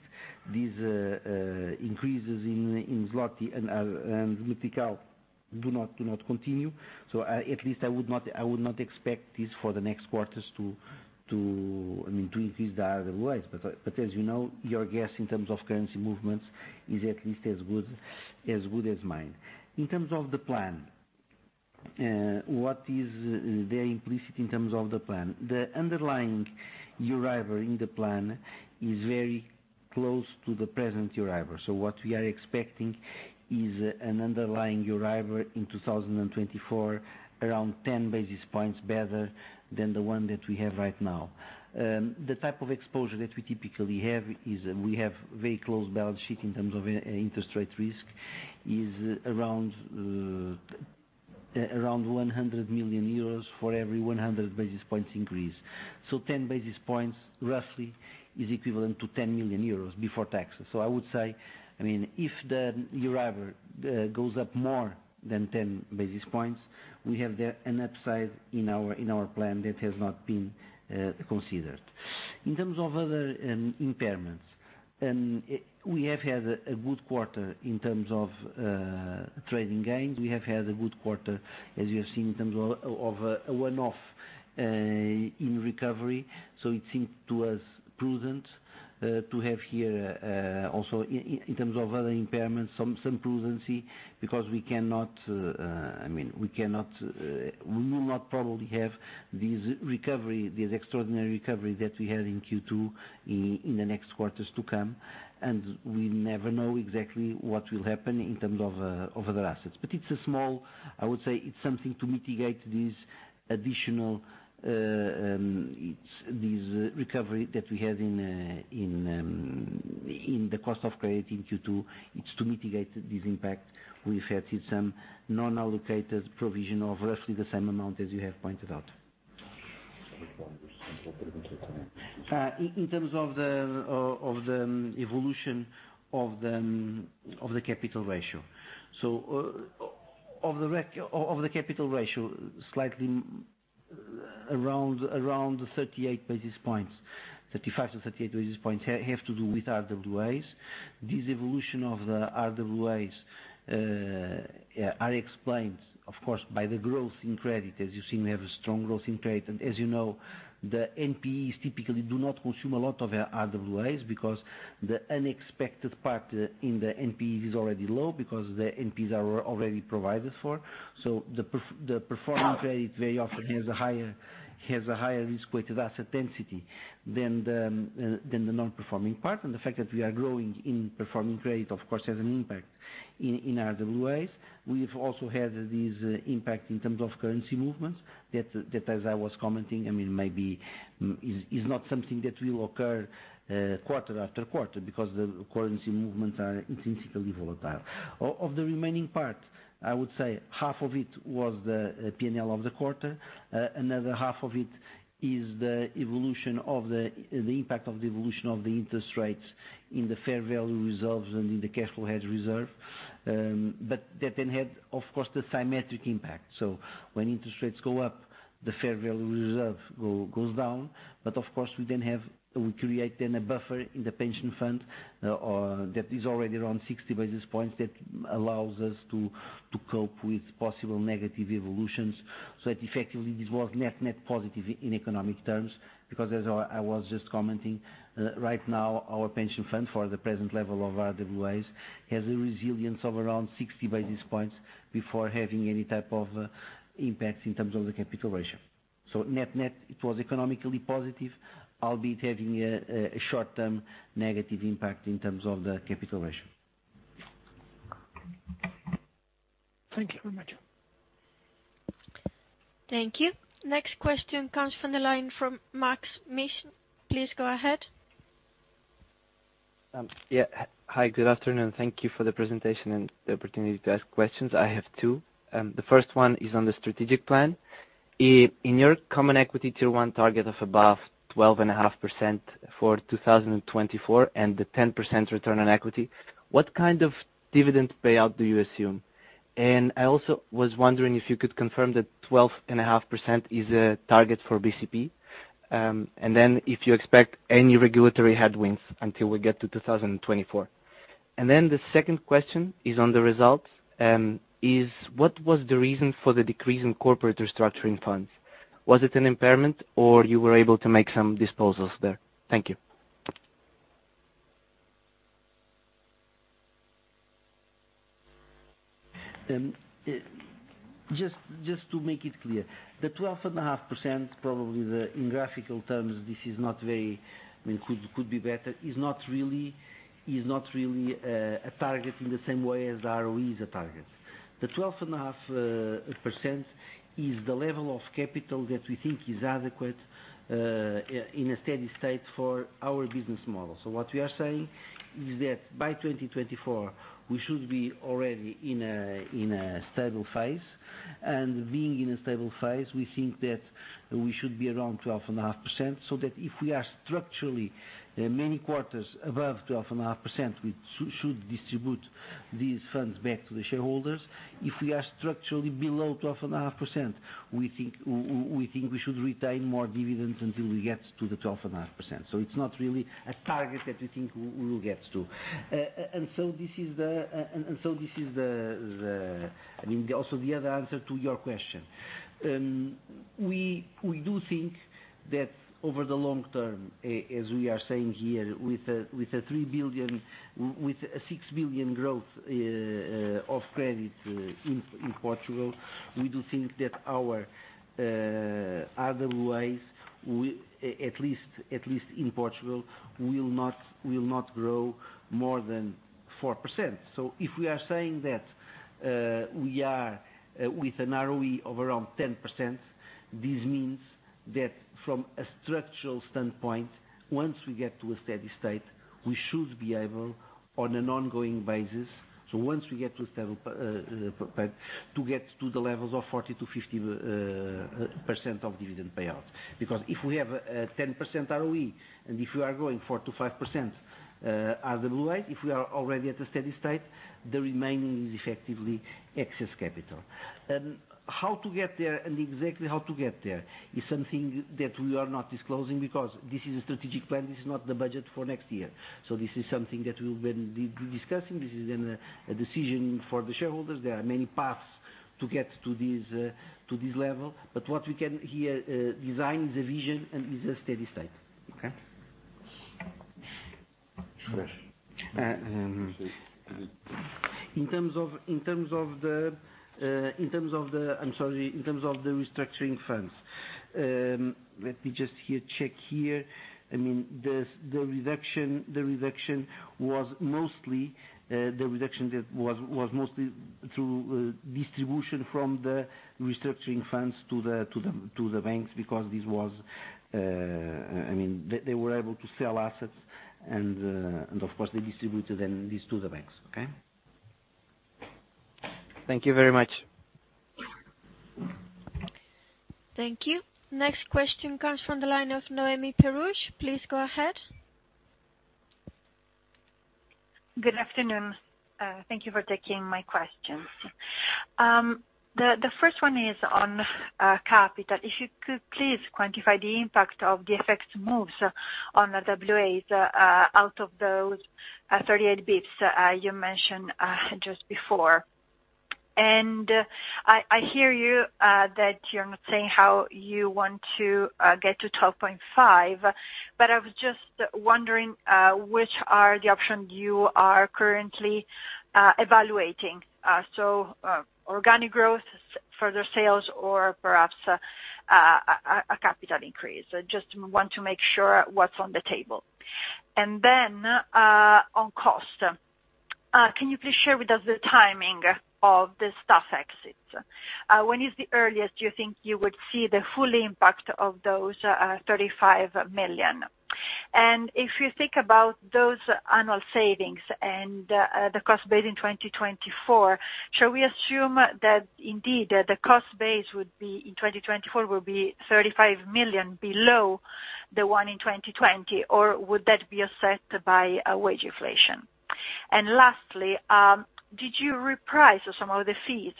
these increases in zloty and metical do not continue. At least I would not expect this for the next quarters to increase the RWAs. As you know, your guess in terms of currency movements is at least as good as mine. In terms of the plan, what is there implicit in terms of the plan? The underlying EURIBOR in the plan is very close to the present EURIBOR. What we are expecting is an underlying EURIBOR in 2024, around 10 basis points better than the one that we have right now. The type of exposure that we typically have is we have very close balance sheet in terms of interest rate risk is around 100 million euros for every 100 basis points increase. 10 basis points roughly is equivalent to 10 million euros before taxes. I would say, if the EURIBOR goes up more than 10 basis points, we have an upside in our plan that has not been considered. In terms of other impairments, we have had a good quarter in terms of trading gains. We have had a good quarter, as you have seen, in terms of a one-off in recovery. It seemed to us prudent to have here also in terms of other impairments, some prudency, because we will not probably have this extraordinary recovery that we had in Q2 in the next quarters to come, and we never know exactly what will happen in terms of other assets. It's a small, I would say it's something to mitigate this additional recovery that we had in the cost of credit in Q2. It's to mitigate this impact. We've had some non-allocated provision of roughly the same amount as you have pointed out. In terms of the evolution of the capital ratio. Of the capital ratio, slightly around 38 basis points, 35 basis points-38 basis points have to do with RWAs. This evolution of the RWAs are explained, of course, by the growth in credit. As you've seen, we have a strong growth in credit. As you know, the NPEs typically do not consume a lot of RWAs because the unexpected part in the NPE is already low because the NPEs are already provided for. The performing trade very often has a higher risk-weighted asset density than the non-performing part. The fact that we are growing in performing trade, of course, has an impact in RWAs. We've also had this impact in terms of currency movements that, as I was commenting, maybe is not something that will occur quarter after quarter because the currency movements are intrinsically volatile. Of the remaining part, I would say half of it was the P&L of the quarter. Another half of it is the impact of the evolution of the interest rates in the fair value reserves and in the cash flow hedge reserve. That had, of course, the symmetric impact. When interest rates go up, the fair value reserve goes down. Of course, we create then a buffer in the pension fund that is already around 60 basis points that allows us to cope with possible negative evolutions. Effectively, this was net positive in economic terms because as I was just commenting, right now our pension fund for the present level of RWAs has a resilience of around 60 basis points before having any type of impact in terms of the capital ratio. Net, it was economically positive, albeit having a short-term negative impact in terms of the capital ratio. Thank you very much. Thank you. Next question comes from the line from Maksym Mishyn. Please go ahead. Yeah. Hi good afternoon. Thank you for the presentation and the opportunity to ask questions. I have two. The first one is on the strategic plan. In your Common Equity Tier 1 target of above 12.5% for 2024 and the 10% return on equity, what kind of dividend payout do you assume? I also was wondering if you could confirm that 12.5% is a target for BCP, if you expect any regulatory headwinds until we get to 2024. The second question is on the results. What was the reason for the decrease in corporate restructuring funds? Was it an impairment, or you were able to make some disposals there? Thank you. Just to make it clear, the 12.5%, probably in graphical terms, could be better, is not really a target in the same way as ROE is a target. The 12.5% is the level of capital that we think is adequate in a steady state for our business model. What we are saying is that by 2024, we should be already in a stable phase. Being in a stable phase, we think that we should be around 12.5%, so that if we are structurally many quarters above 12.5%, we should distribute these funds back to the shareholders. If we are structurally below 12.5%, we think we should retain more dividends until we get to the 12.5%. It's not really a target that we think we will get to. This is also the other answer to your question. We do think that over the long term, as we are saying here, with a 6 billion growth of credit in Portugal, we do think that our other ways, at least in Portugal, will not grow more than 4%. If we are saying that we are with an ROE of around 10%, this means that from a structural standpoint, once we get to a steady state, we should be able, on an ongoing basis, so once we get to stable, to get to the levels of 40%-50% of dividend payout. If we have a 10% ROE, and if we are growing 4%-5% <inaudible> if we are already at a steady state, the remaining is effectively excess capital. How to get there and exactly how to get there is something that we are not disclosing because this is a strategic plan. This is not the budget for next year. This is something that we will be discussing. This is a decision for the shareholders. There are many paths to get to this level. What we can here design is a vision and is a steady state. Okay? In terms of the restructuring funds, let me just check here. The reduction was mostly through distribution from the restructuring funds to the banks because they were able to sell assets, and of course, they distributed then these to the banks. Okay? Thank you very much. Thank you. Next question comes from the line of Noemi Peruch. Please go ahead. Good afternoon. Thank you for taking my questions. The first one is on capital. If you could please quantify the impact of the FX moves on the RWA out of those 38 basis points you mentioned just before. I hear you that you're not saying how you want to get to 12.5%, I was just wondering which are the options you are currently evaluating. Organic growth, further sales, or perhaps a capital increase. Just want to make sure what's on the table. On cost, can you please share with us the timing of the staff exits? When is the earliest you think you would see the full impact of those 35 million? If you think about those annual savings and the cost base in 2024, shall we assume that indeed the cost base in 2024 will be 35 million below the one in 2020, or would that be offset by wage inflation? Lastly, did you reprice some of the fees,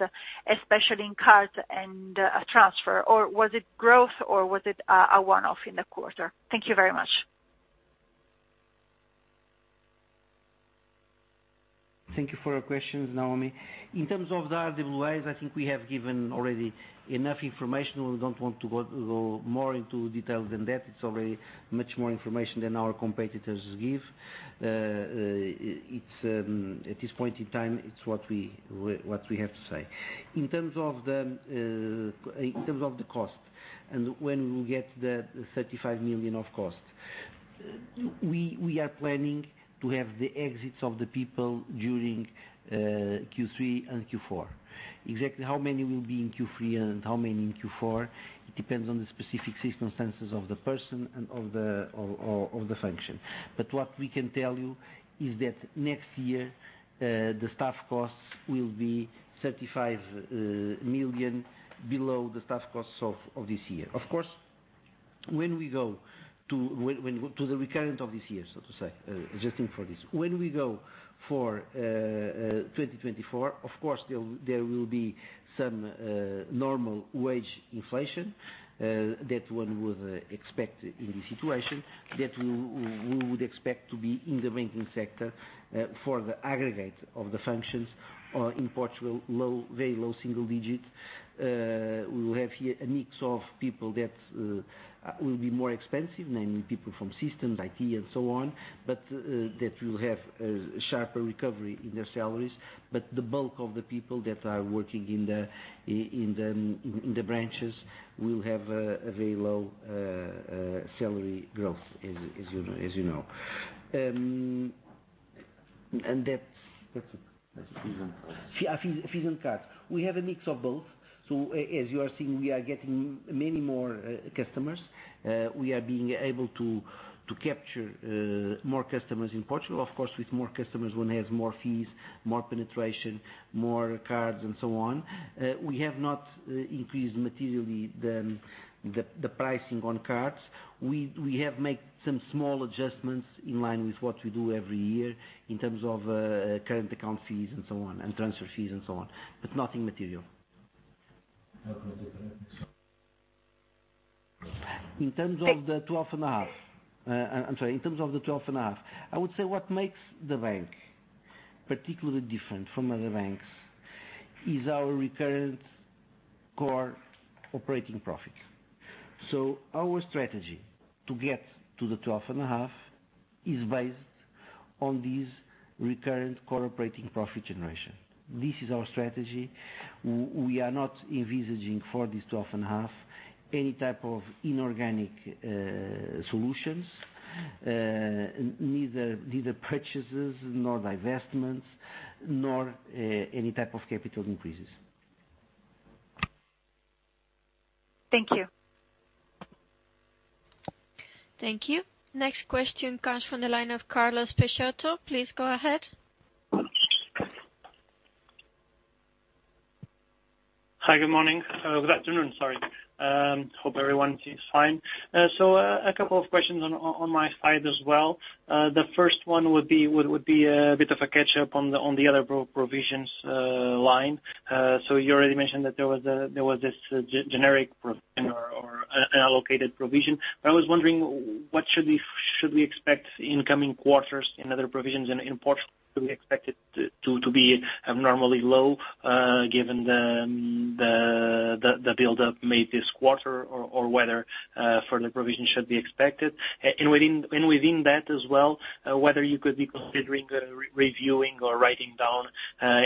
especially in cards and transfer, or was it growth or was it a one-off in the quarter? Thank you very much. Thank you for your questions Noemi. In terms of the other ways, I think we have given already enough information. We don't want to go more into detail than that. It's already much more information than our competitors give. At this point in time, it's what we have to say. In terms of the cost and when we will get the 35 million of cost. We are planning to have the exits of the people during Q3 and Q4. Exactly how many will be in Q3 and how many in Q4, it depends on the specific systemic circumstances of the person and of the function. What we can tell you is that next year, the staff costs will be 35 million below the staff costs of this year. Of course, when we go to the recurrent of this year, so to say, adjusting for this. We go for 2024, of course, there will be some normal wage inflation that one would expect in this situation, that we would expect to be in the banking sector for the aggregate of the functions in Portugal, very low single digit. We will have here a mix of people that will be more expensive, namely people from systems, IT and so on, but that will have a sharper recovery in their salaries. The bulk of the people that are working in the branches will have a very low salary growth, as you know. Fees and cards. Fees and cards. As you are seeing, we are getting many more customers. We are being able to capture more customers in Portugal. Of course, with more customers, one has more fees, more penetration, more cards and so on. We have not increased materially the pricing on cards. We have made some small adjustments in line with what we do every year in terms of current account fees and so on, and transfer fees and so on, but nothing material. How come you different this one? In terms of the 12.5%, I would say what makes the bank particularly different from other banks is our recurrent core operating profits. Our strategy to get to the 12.5% is based on this recurrent core operating profit generation. This is our strategy. We are not envisaging for this 12.5% any type of inorganic solutions. Neither purchases, nor divestments, nor any type of capital increases. Thank you. Thank you. Next question comes from the line of Carlos Peixoto. Please go ahead. Hi good morning. Good afternoon. Sorry. Hope everyone is fine. A couple of questions on my side as well. The first one would be a bit of a catch-up on the other provisions line. You already mentioned that there was this generic provision or an allocated provision, but I was wondering what should we expect in coming quarters in other provisions in Portugal to be expected to be abnormally low, given the buildup made this quarter or whether further provision should be expected? Within that as well, whether you could be considering reviewing or writing down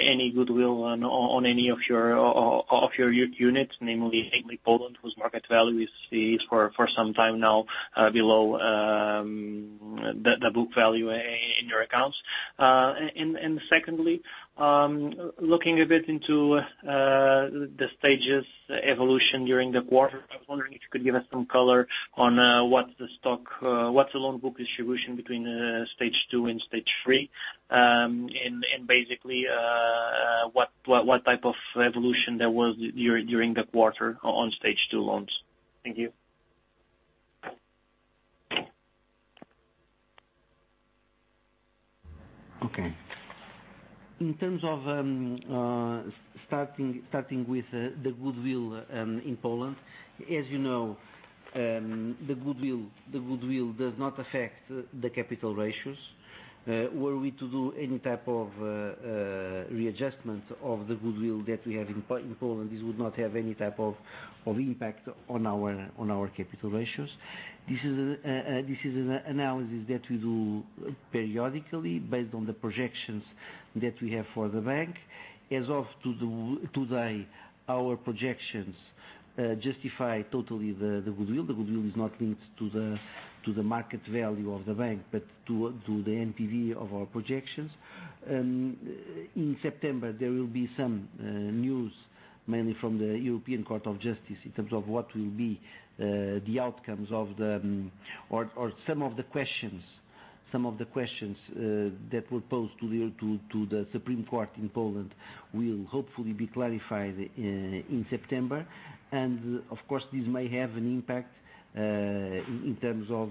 any goodwill on any of your units, namely Poland, whose market value is for some time now below the book value in your accounts. Secondly, looking a bit into the stages evolution during the quarter, I was wondering if you could give us some color on what's the loan book distribution between stage 2 and stage 3, and basically, what type of evolution there was during the quarter on stage 2 loans. Thank you. In terms of starting with the goodwill in Poland, as you know, the goodwill does not affect the capital ratios. Were we to do any type of readjustment of the goodwill that we have in Poland, this would not have any type of impact on our capital ratios. This is an analysis that we do periodically based on the projections that we have for the bank. As of today, our projections justify totally the goodwill. The goodwill is not linked to the market value of the bank, but to the NPV of our projections. In September, there will be some news, mainly from the European Court of Justice, in terms of what will be the outcomes of the, or some of the questions that were posed to the Supreme Court of Poland will hopefully be clarified in September. Of course, this may have an impact in terms of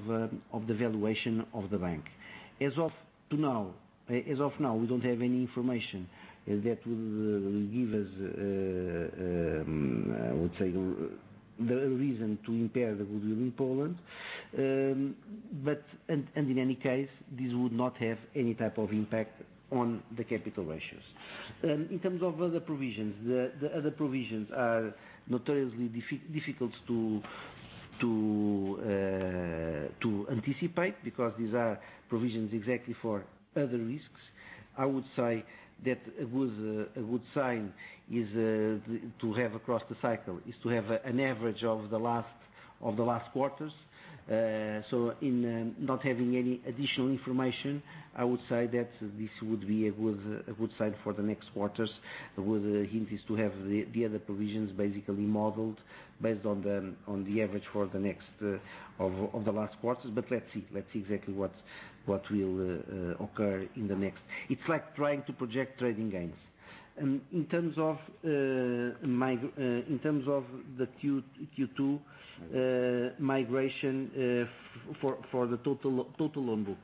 the valuation of the bank. As of now, we don't have any information that will give us, I would say, the reason to impair the goodwill in Poland. In any case, this would not have any type of impact on the capital ratios. In terms of other provisions, the other provisions are notoriously difficult to anticipate, because these are provisions exactly for other risks. I would say that a good sign to have across the cycle is to have an average of the last quarters. In not having any additional information, I would say that this would be a good sign for the next quarters, with the hint is to have the other provisions basically modeled based on the average for the last quarters. Let's see exactly what will occur in the next. It's like trying to project trading gains. In terms of the Q2 migration for the total loan book.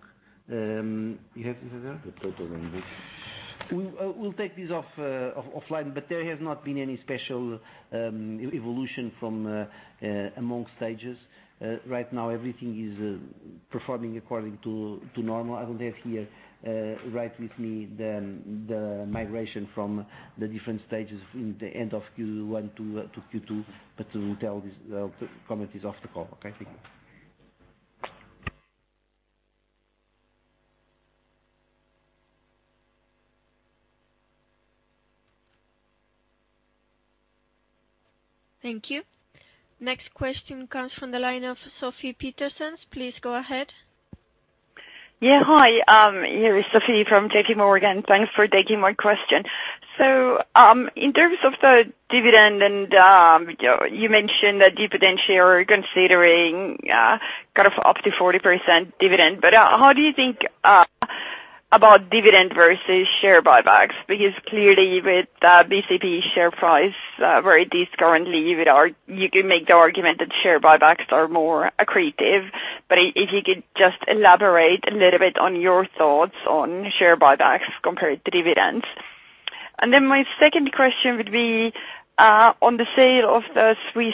Yes, Miguel? The total loan book. We'll take this offline. There has not been any special evolution from amongst stages. Right now everything is performing according to normal. I don't have here right with me the migration from the different stages in the end of Q1-Q2, but to tell this, the comment is off the call. Okay, thank you. Thank you. Next question comes from the line of Sofie Peterzens. Please go ahead. Yeah. Hi, here is Sofie from JP Morgan. Thanks for taking my question. In terms of the dividend, you mentioned that you potentially are considering up to 40% dividend, how do you think about dividend versus share buybacks? Clearly with BCP share price where it is currently, you can make the argument that share buybacks are more accretive. If you could just elaborate a little bit on your thoughts on share buybacks compared to dividends. My second question would be, on the sale of the Swiss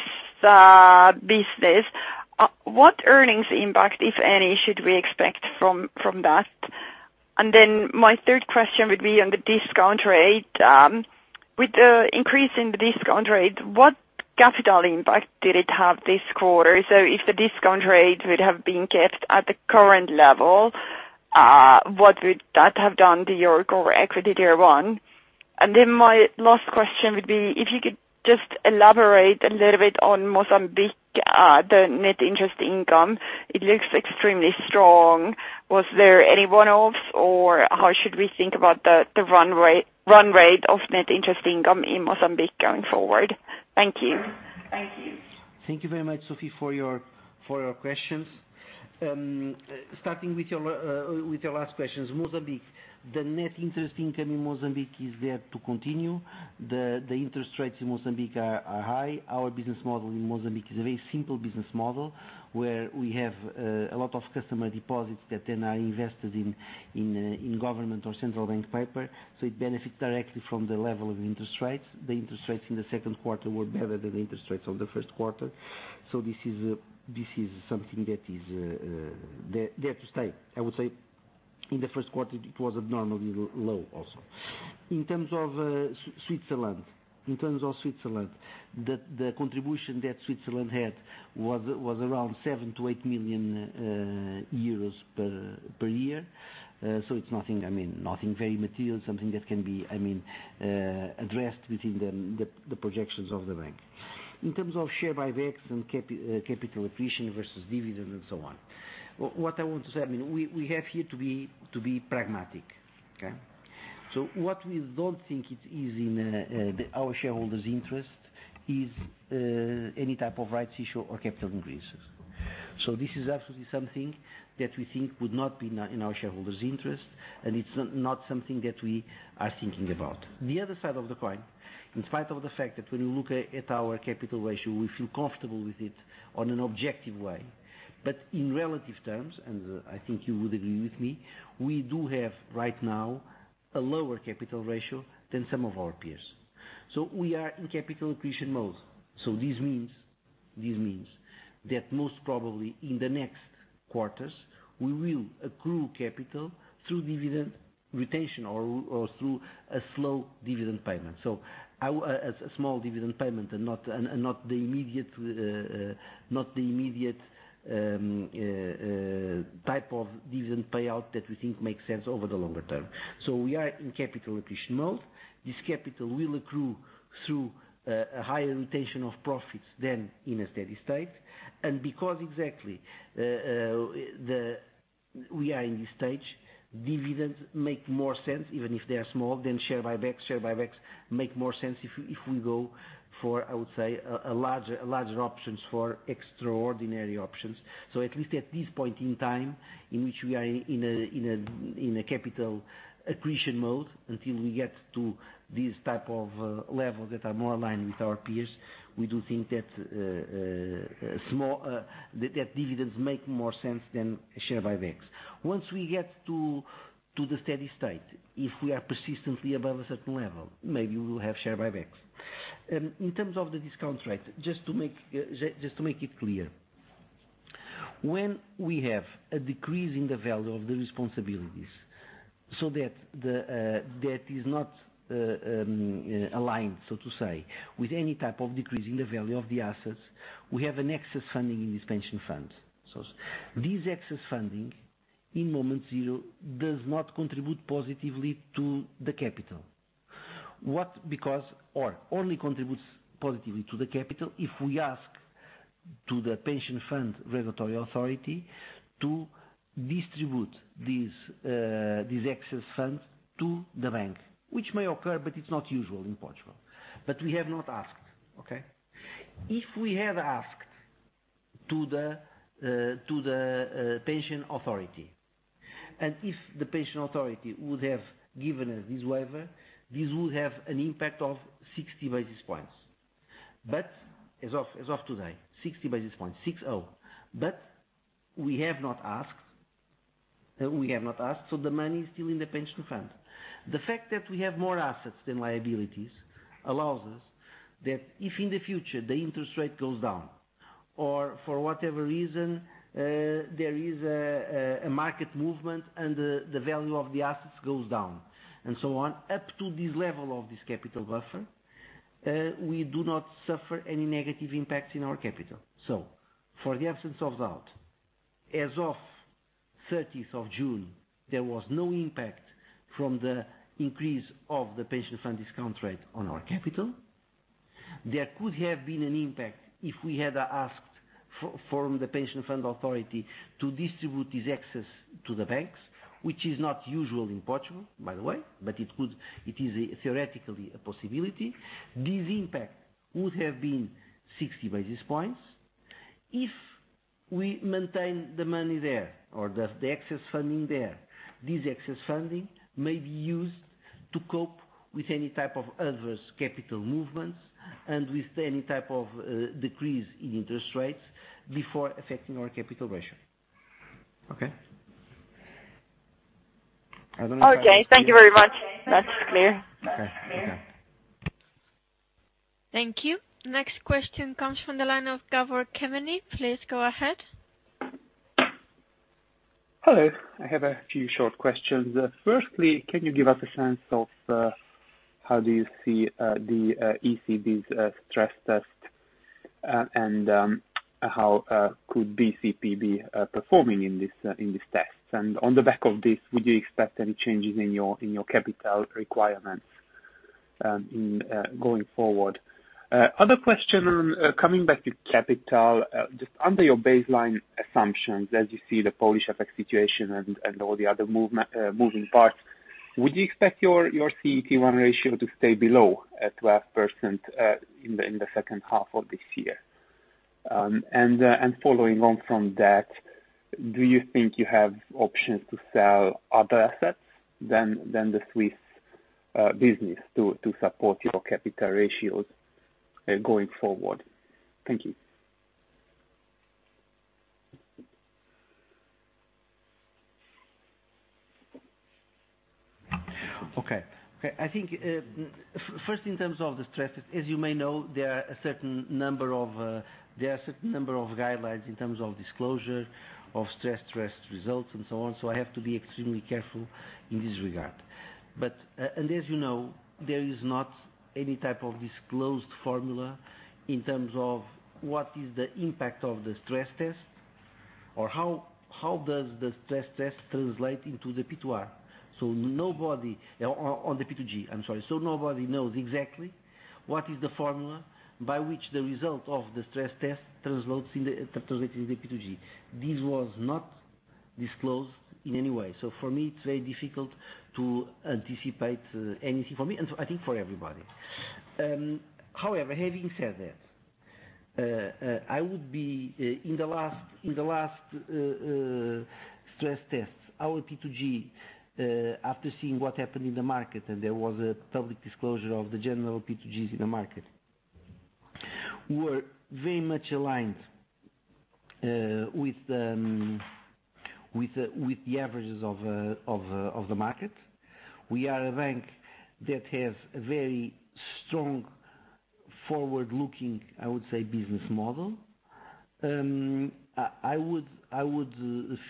business, what earnings impact, if any, should we expect from that? My third question would be on the discount rate. With the increase in the discount rate, what capital impact did it have this quarter? If the discount rate would have been kept at the current level, what would that have done to your Common Equity Tier 1? My last question would be, if you could just elaborate a little bit on Mozambique, the net interest income. It looks extremely strong. Was there any one-offs or how should we think about the run rate of net interest income in Mozambique going forward? Thank you. Thank you. Thank you very much Sofie for your questions. Starting with your last questions, Mozambique. The net interest income in Mozambique is there to continue. The interest rates in Mozambique are high. Our business model in Mozambique is a very simple business model, where we have a lot of customer deposits that then are invested in government or central bank paper. It benefits directly from the level of interest rates. The interest rates in the second quarter were better than the interest rates on the first quarter. This is something that is there to stay. I would say in the first quarter, it was abnormally low also. In terms of Switzerland, the contribution that Switzerland had was around 7 million-8 million euros per year. It's nothing very material, something that can be addressed within the projections of the bank. In terms of share buybacks and capital attrition versus dividends and so on, what I want to say, we have here to be pragmatic. Okay. What we don't think is in our shareholders' interest is any type of rights issue or capital increases. This is absolutely something that we think would not be in our shareholders' interest, and it's not something that we are thinking about. The other side of the coin, in spite of the fact that when you look at our capital ratio, we feel comfortable with it on an objective way. In relative terms, and I think you would agree with me, we do have right now a lower capital ratio than some of our peers. We are in capital accretion mode. This means that most probably in the next quarters, we will accrue capital through dividend retention or through a slow dividend payment. As a small dividend payment and not the immediate type of dividend payout that we think makes sense over the longer term. We are in capital accretion mode. This capital will accrue through a higher retention of profits than in a steady state. Because exactly, we are in this stage, dividends make more sense, even if they are small, than share buybacks. Share buybacks make more sense if we go for, I would say, a larger options for extraordinary options. At least at this point in time, in which we are in a capital accretion mode, until we get to these type of levels that are more aligned with our peers, we do think that dividends make more sense than share buybacks. Once we get to the steady state, if we are persistently above a certain level, maybe we will have share buybacks. In terms of the discount rate, just to make it clear. When we have a decrease in the value of the responsibilities, so that is not aligned, so to say, with any type of decrease in the value of the assets, we have an excess funding in this pension fund. This excess funding in moment zero does not contribute positively to the capital. Only contributes positively to the capital if we ask to the pension fund regulatory authority to distribute these excess funds to the bank, which may occur, but it's not usual in Portugal. We have not asked. Okay? If we had asked to the pension authority, and if the pension authority would have given us this waiver, this would have an impact of 60 basis points. As of today, 60 basis points, 60. We have not asked, so the money is still in the pension fund. The fact that we have more assets than liabilities allows us that if in the future the interest rate goes down or for whatever reason, there is a market movement and the value of the assets goes down, and so on, up to this level of this capital buffer, we do not suffer any negative impact in our capital. For the absence of doubt, as of 30th of June, there was no impact from the increase of the pension fund discount rate on our capital. There could have been an impact if we had asked from the pension fund authority to distribute this access to the banks, which is not usual in Portugal, by the way, but it is theoretically a possibility. This impact would have been 60 basis points. If we maintain the money there, or the excess funding there, this excess funding may be used to cope with any type of adverse capital movements and with any type of decrease in interest rates before affecting our capital ratio. Okay? I don't know if that- Okay. Thank you very much. That's clear. Okay. Thank you. Next question comes from the line of Gabor Kemeny. Please go ahead. Hello. I have a few short questions. Firstly, can you give us a sense of how do you see the ECB's stress test and how could BCP be performing in this test? On the back of this, would you expect any changes in your capital requirements going forward? Other question, coming back to capital, just under your baseline assumptions as you see the Polish FX situation and all the other moving parts, would you expect your CET1 ratio to stay below 12% in the second half of this year? Following on from that, do you think you have options to sell other assets than the Swiss business to support your capital ratios going forward? Thank you. Okay. I think first in terms of the stress test, as you may know, there are a certain number of guidelines in terms of disclosure of stress test results and so on, so I have to be extremely careful in this regard. As you know, there is not any type of disclosed formula in terms of what is the impact of the stress test or how does the stress test translate into the P2R. Nobody On the P2G, I'm sorry. Nobody knows exactly what is the formula by which the result of the stress test translates into the P2G. This was not disclosed in any way. For me, it's very difficult to anticipate anything for me, and I think for everybody. Having said that, in the last stress tests, our P2G, after seeing what happened in the market, and there was a public disclosure of the general P2Gs in the market, were very much aligned with the averages of the market. We are a bank that has a very strong forward-looking, I would say, business model. I would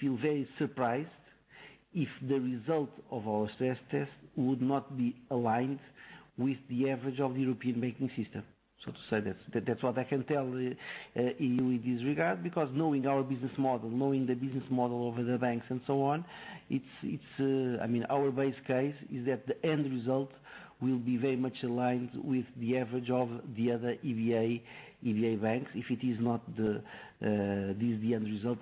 feel very surprised if the result of our stress test would not be aligned with the average of the European banking system, to say. That's what I can tell you in this regard, because knowing our business model, knowing the business model of other banks and so on, our base case is that the end result will be very much aligned with the average of the other EBA banks. If it is not the end result,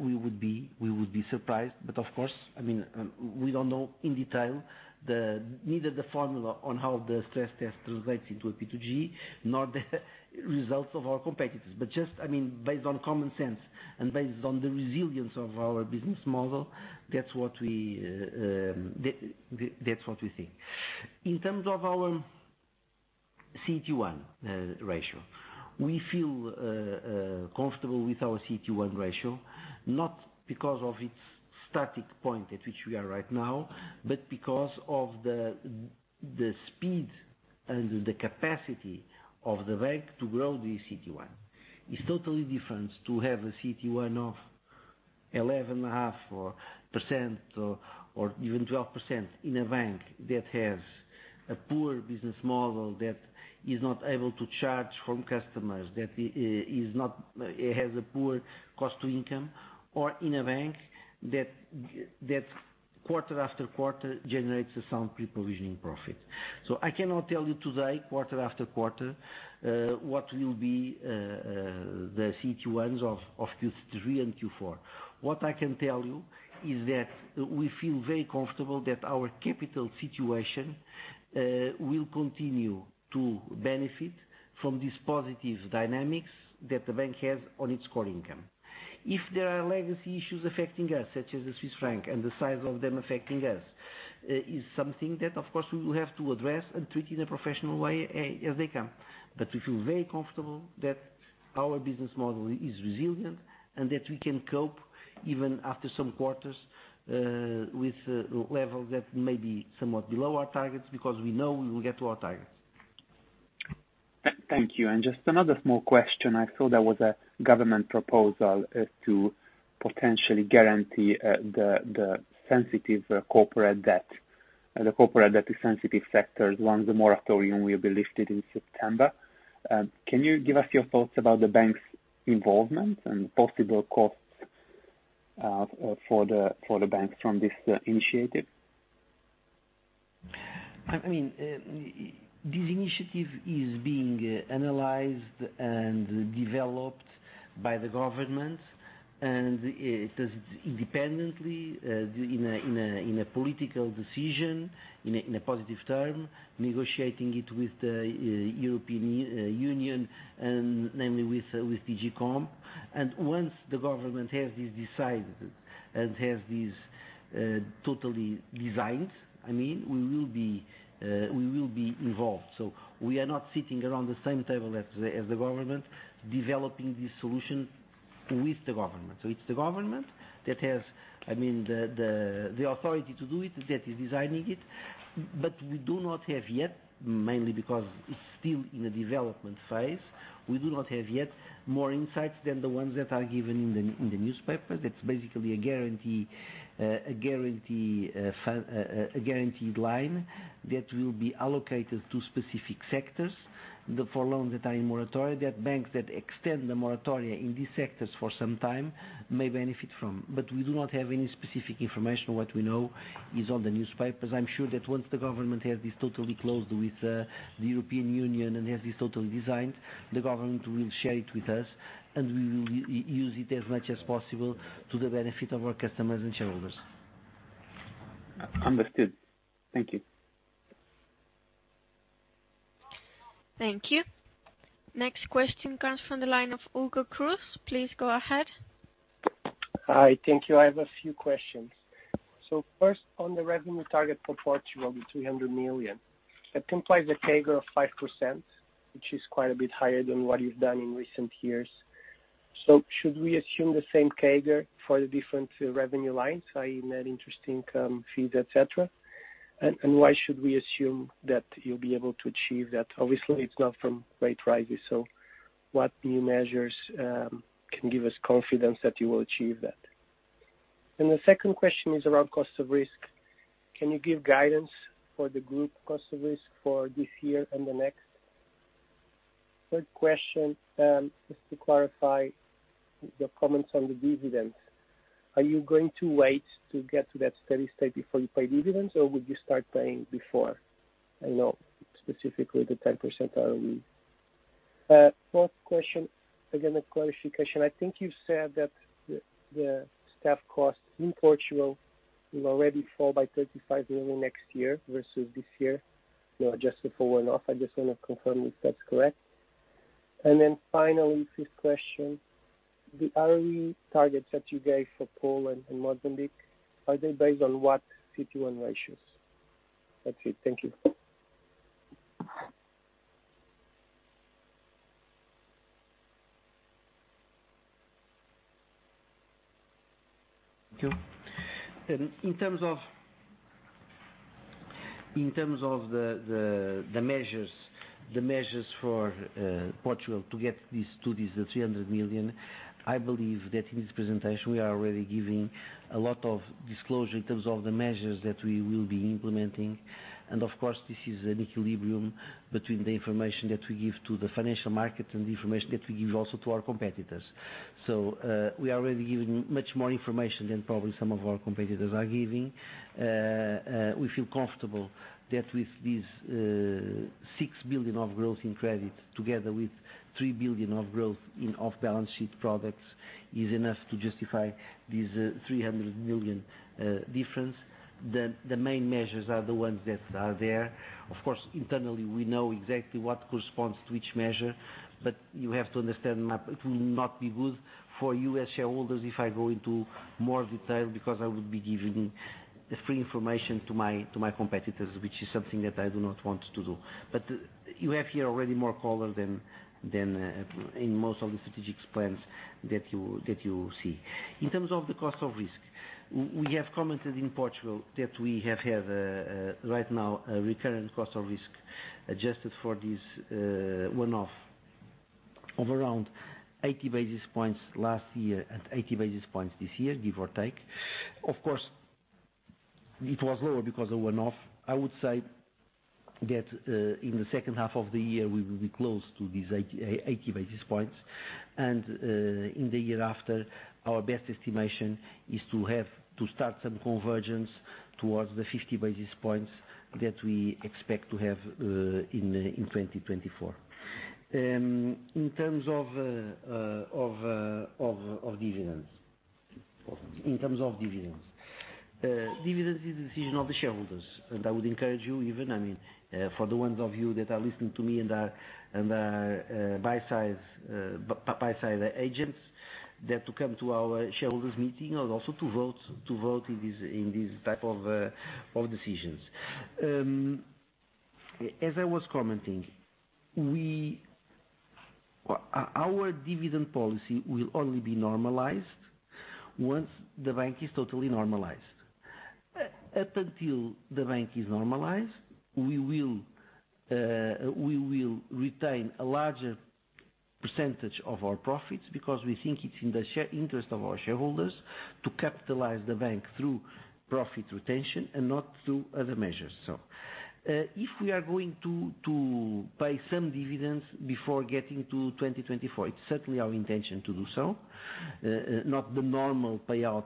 we would be surprised. Of course, we don't know in detail neither the formula on how the stress test translates into a P2G, nor the results of our competitors. Just based on common sense and based on the resilience of our business model, that's what we think. In terms of our CET1 ratio, we feel comfortable with our CET1 ratio, not because of its static point at which we are right now, but because of the speed and the capacity of the bank to grow the CET1. It's totally different to have a CET1 of 11.5% or even 12% in a bank that has a poor business model, that is not able to charge home customers, that has a poor cost-to-income, or in a bank that quarter after quarter generates a sound pre-provision profit. I cannot tell you today, quarter after quarter, what will be the CET1s of Q3 and Q4. What I can tell you is that we feel very comfortable that our capital situation will continue to benefit from these positive dynamics that the bank has on its core income. If there are legacy issues affecting us, such as the Swiss franc and the size of them affecting us, is something that, of course, we will have to address and treat in a professional way as they come. We feel very comfortable that our business model is resilient and that we can cope even after some quarters with levels that may be somewhat below our targets because we know we will get to our targets. Thank you. Just another small question. I saw there was a government proposal to potentially guarantee the sensitive corporate debt, the corporate debt to sensitive sectors, once the moratorium will be lifted in September. Can you give us your thoughts about the bank's involvement and possible costs for the bank from this initiative? This initiative is being analyzed and developed by the government. It is independently in a political decision, in a positive term, negotiating it with the European Union and namely with DG Comp. Once the government has this decided and has this totally designed, we will be involved. We are not sitting around the same table as the government, developing this solution with the government. It's the government that has the authority to do it, that is designing it. We do not have yet, mainly because it's still in a development phase, we do not have yet more insights than the ones that are given in the newspaper. That's basically a guaranteed line that will be allocated to specific sectors for loans that are in moratoria, that banks that extend the moratoria in these sectors for some time may benefit from. We do not have any specific information. What we know is on the newspapers. I'm sure that once the government has this totally closed with the European Union and has this totally designed, the government will share it with us, and we will use it as much as possible to the benefit of our customers and shareholders. Understood. Thank you. Thank you. Next question comes from the line of Hugo Cruz. Please go ahead. Hi. Thank you. I have a few questions. First, on the revenue target for Portugal, the 300 million. That implies a CAGR of 5%, which is quite a bit higher than what you've done in recent years. Should we assume the same CAGR for the different revenue lines, i.e. net interest income, fees, et cetera? Why should we assume that you'll be able to achieve that? Obviously, it's not from rate rises, what new measures can give us confidence that you will achieve that? The second question is around cost of risk. Can you give guidance for the group cost of risk for this year and the next? Third question is to clarify your comments on the dividend. Are you going to wait to get to that steady state before you pay dividends, or would you start paying before? I know specifically the 10% ROE. Fourth question, again, a clarification. I think you said that the staff costs in Portugal will already fall by 35 million next year versus this year, adjusted for one-off. I just want to confirm if that's correct. Finally, fifth question. The ROE targets that you gave for Poland and Mozambique, are they based on what CET1 ratios? That's it. Thank you. Thank you. In terms of the measures for Portugal to get to this 300 million, I believe that in this presentation, we are already giving a lot of disclosure in terms of the measures that we will be implementing. Of course, this is an equilibrium between the information that we give to the financial market and the information that we give also to our competitors. We are already giving much more information than probably some of our competitors are giving. We feel comfortable that with this 6 billion of growth in credit together with 3 billion of growth in off-balance sheet products is enough to justify this 300 million difference. The main measures are the ones that are there. Of course, internally, we know exactly what corresponds to each measure, you have to understand it will not be good for you as shareholders if I go into more detail because I would be giving free information to my competitors, which is something that I do not want to do. You have here already more color than in most of the strategic plans that you see. In terms of the cost of risk, we have commented in Portugal that we have right now a recurrent cost of risk adjusted for this one-off around 80 basis points last year and 80 basis points this year, give or take. Of course, it was lower because of one-off. I would say that in the second half of the year, we will be close to these 80 basis points. In the year after, our best estimation is to start some convergence towards the 50 basis points that we expect to have in 2024. In terms of dividends. Dividends is the decision of the shareholders, and I would encourage you even, for the ones of you that are listening to me and are buy-side agents, that to come to our shareholders meeting and also to vote in this type of decisions. As I was commenting, our dividend policy will only be normalized once the bank is totally normalized. Up until the bank is normalized, we will retain a larger percentage of our profits because we think it's in the interest of our shareholders to capitalize the bank through profit retention and not through other measures. If we are going to pay some dividends before getting to 2024, it's certainly our intention to do so. Not the normal payout.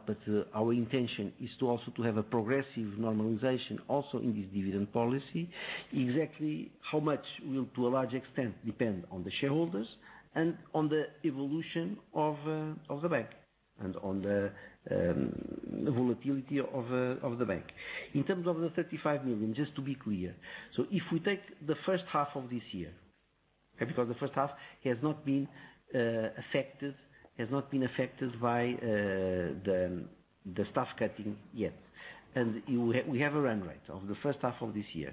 Our intention is to also have a progressive normalization also in this dividend policy. Exactly how much will, to a large extent, depend on the shareholders and on the evolution of the bank and on the volatility of the bank. In terms of the 35 million, just to be clear, if we take the first half of this year, because the first half has not been affected by the staff cutting yet. We have a run rate of the first half of this year,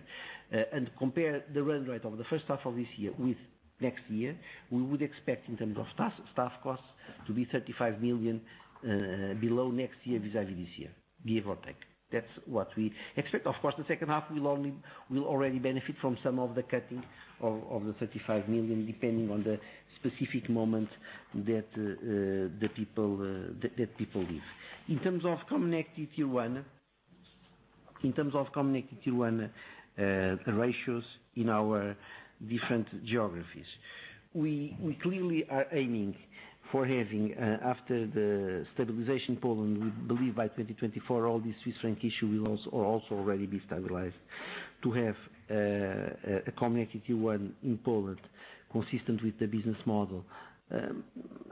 and compare the run rate of the first half of this year with next year, we would expect in terms of staff costs to be 35 million below next year, vis-à-vis this year, give or take. That's what we expect. Of course, the second half will already benefit from some of the cutting of the 35 million, depending on the specific moment that people leave. In terms of Common Equity Tier 1 ratios in our different geographies, we clearly are aiming for having, after the stabilization in Poland, we believe by 2024, all these Swiss franc issue will also already be stabilized to have a Common Equity Tier 1 in Poland consistent with the business model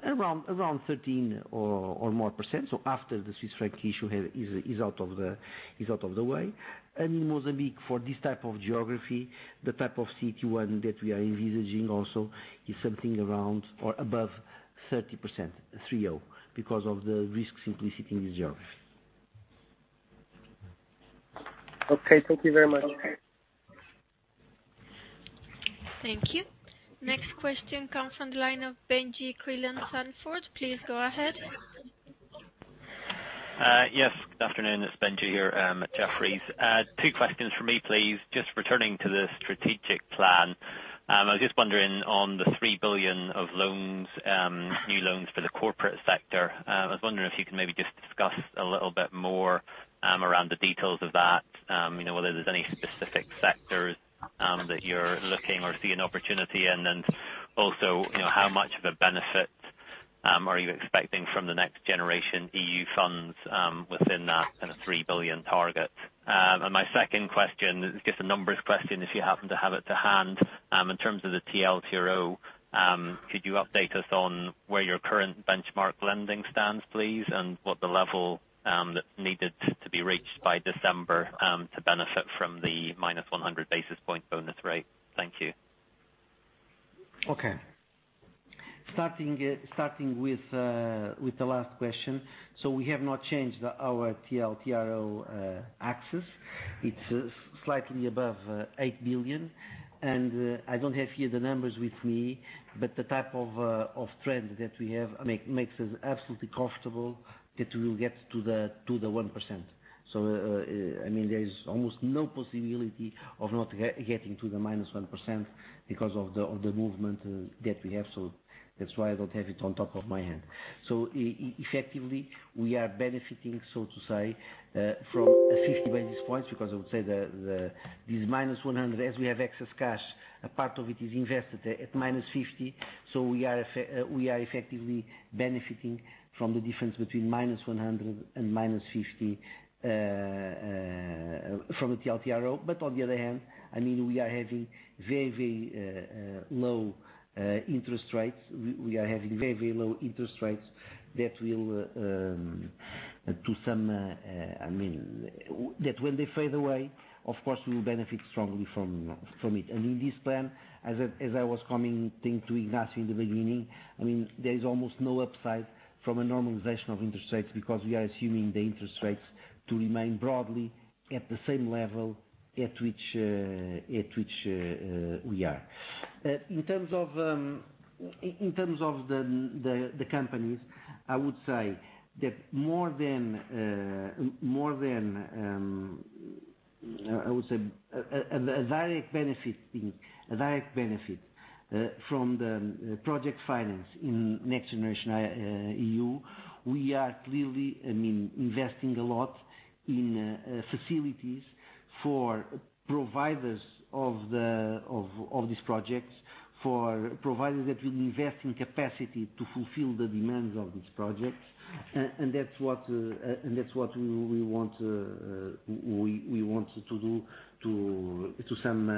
around 13% or more. After the Swiss franc issue is out of the way. In Mozambique, for this type of geography, the type of CET1 that we are envisaging also is something around or above 30%, because of the risk simplicity in the geography. Okay thank you very much. Thank you. Next question comes from the line of Benjie Creelan-Sandford. Please go ahead. Yes good afternoon. It's Benjie here at Jefferies. Two questions for me, please. Just returning to the strategic plan. I was just wondering on the 3 billion of new loans for the corporate sector. I was wondering if you could maybe just discuss a little bit more around the details of that. Whether there's any specific sectors that you're looking or see an opportunity in, and also, how much of a benefit are you expecting from the NextGenerationEU funds within that 3 billion target? My second question is just a numbers question, if you happen to have it to hand. In terms of the TLTRO, could you update us on where your current benchmark lending stands, please, and what the level that's needed to be reached by December to benefit from the minus 100 basis point bonus rate? Thank you. Okay. Starting with the last question. We have not changed our TLTRO access. It's slightly above 8 billion, and I don't have here the numbers with me, but the type of trend that we have makes us absolutely comfortable that we will get to the 1%. There is almost no possibility of not getting to the minus 1% because of the movement that we have. That's why I don't have it on top of my hand. Effectively, we are benefiting, so to say, from a 50 basis points, because I would say that this -100, as we have excess cash, a part of it is invested at minus 50. We are effectively benefiting from the difference between -100 and -50 from the TLTRO. On the other hand, we are having very low interest rates that when they fade away, of course, we will benefit strongly from it. In this plan, as I was commenting to Ignacio in the beginning, there is almost no upside from a normalization of interest rates because we are assuming the interest rates to remain broadly at the same level at which we are. In terms of the companies, I would say that more than a direct benefit from the project finance in NextGenerationEU. We are clearly investing a lot in facilities for providers of these projects, for providers that will invest in capacity to fulfill the demands of these projects. That's what we want to do to some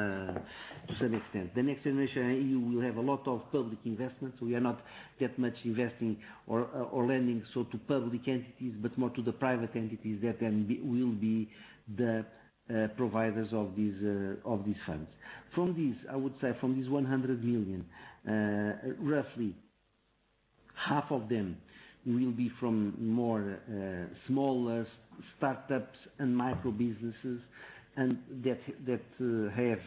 extent. The NextGenerationEU will have a lot of public investment. We are not that much investing or lending, so to public entities, but more to the private entities that will be the providers of these funds. From these, I would say, from these 100 million, roughly half of them will be from more smaller startups and micro businesses that have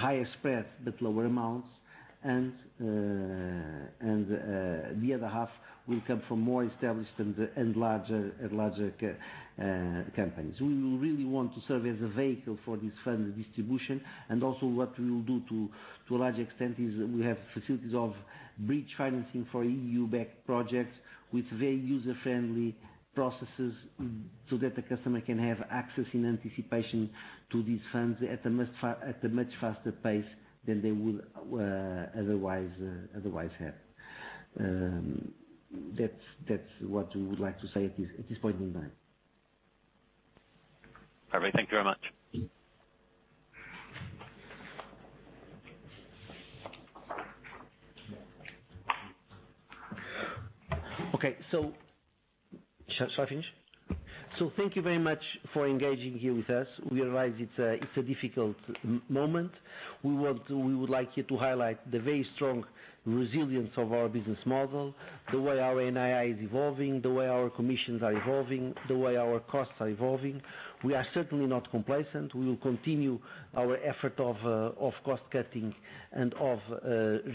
higher spreads but lower amounts. The other half will come from more established and larger companies. We will really want to serve as a vehicle for this fund distribution. Also what we will do to a large extent is we have facilities of bridge financing for EU-backed projects with very user-friendly processes so that the customer can have access in anticipation to these funds at a much faster pace than they would otherwise have. That's what we would like to say at this point in time. Perfect. Thank you very much. Okay. Shall I finish? Thank you very much for engaging here with us. We realize it's a difficult moment. We would like here to highlight the very strong resilience of our business model, the way our NII is evolving, the way our commissions are evolving, the way our costs are evolving. We are certainly not complacent. We will continue our effort of cost-cutting and of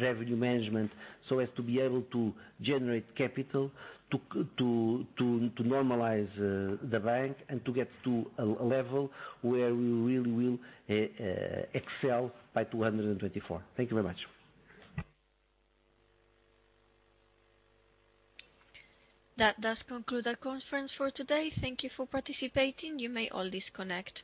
revenue management so as to be able to generate capital to normalize the bank and to get to a level where we really will excel by 2024. Thank you very much. That does conclude our conference for today. Thank you for participating. You may all disconnect.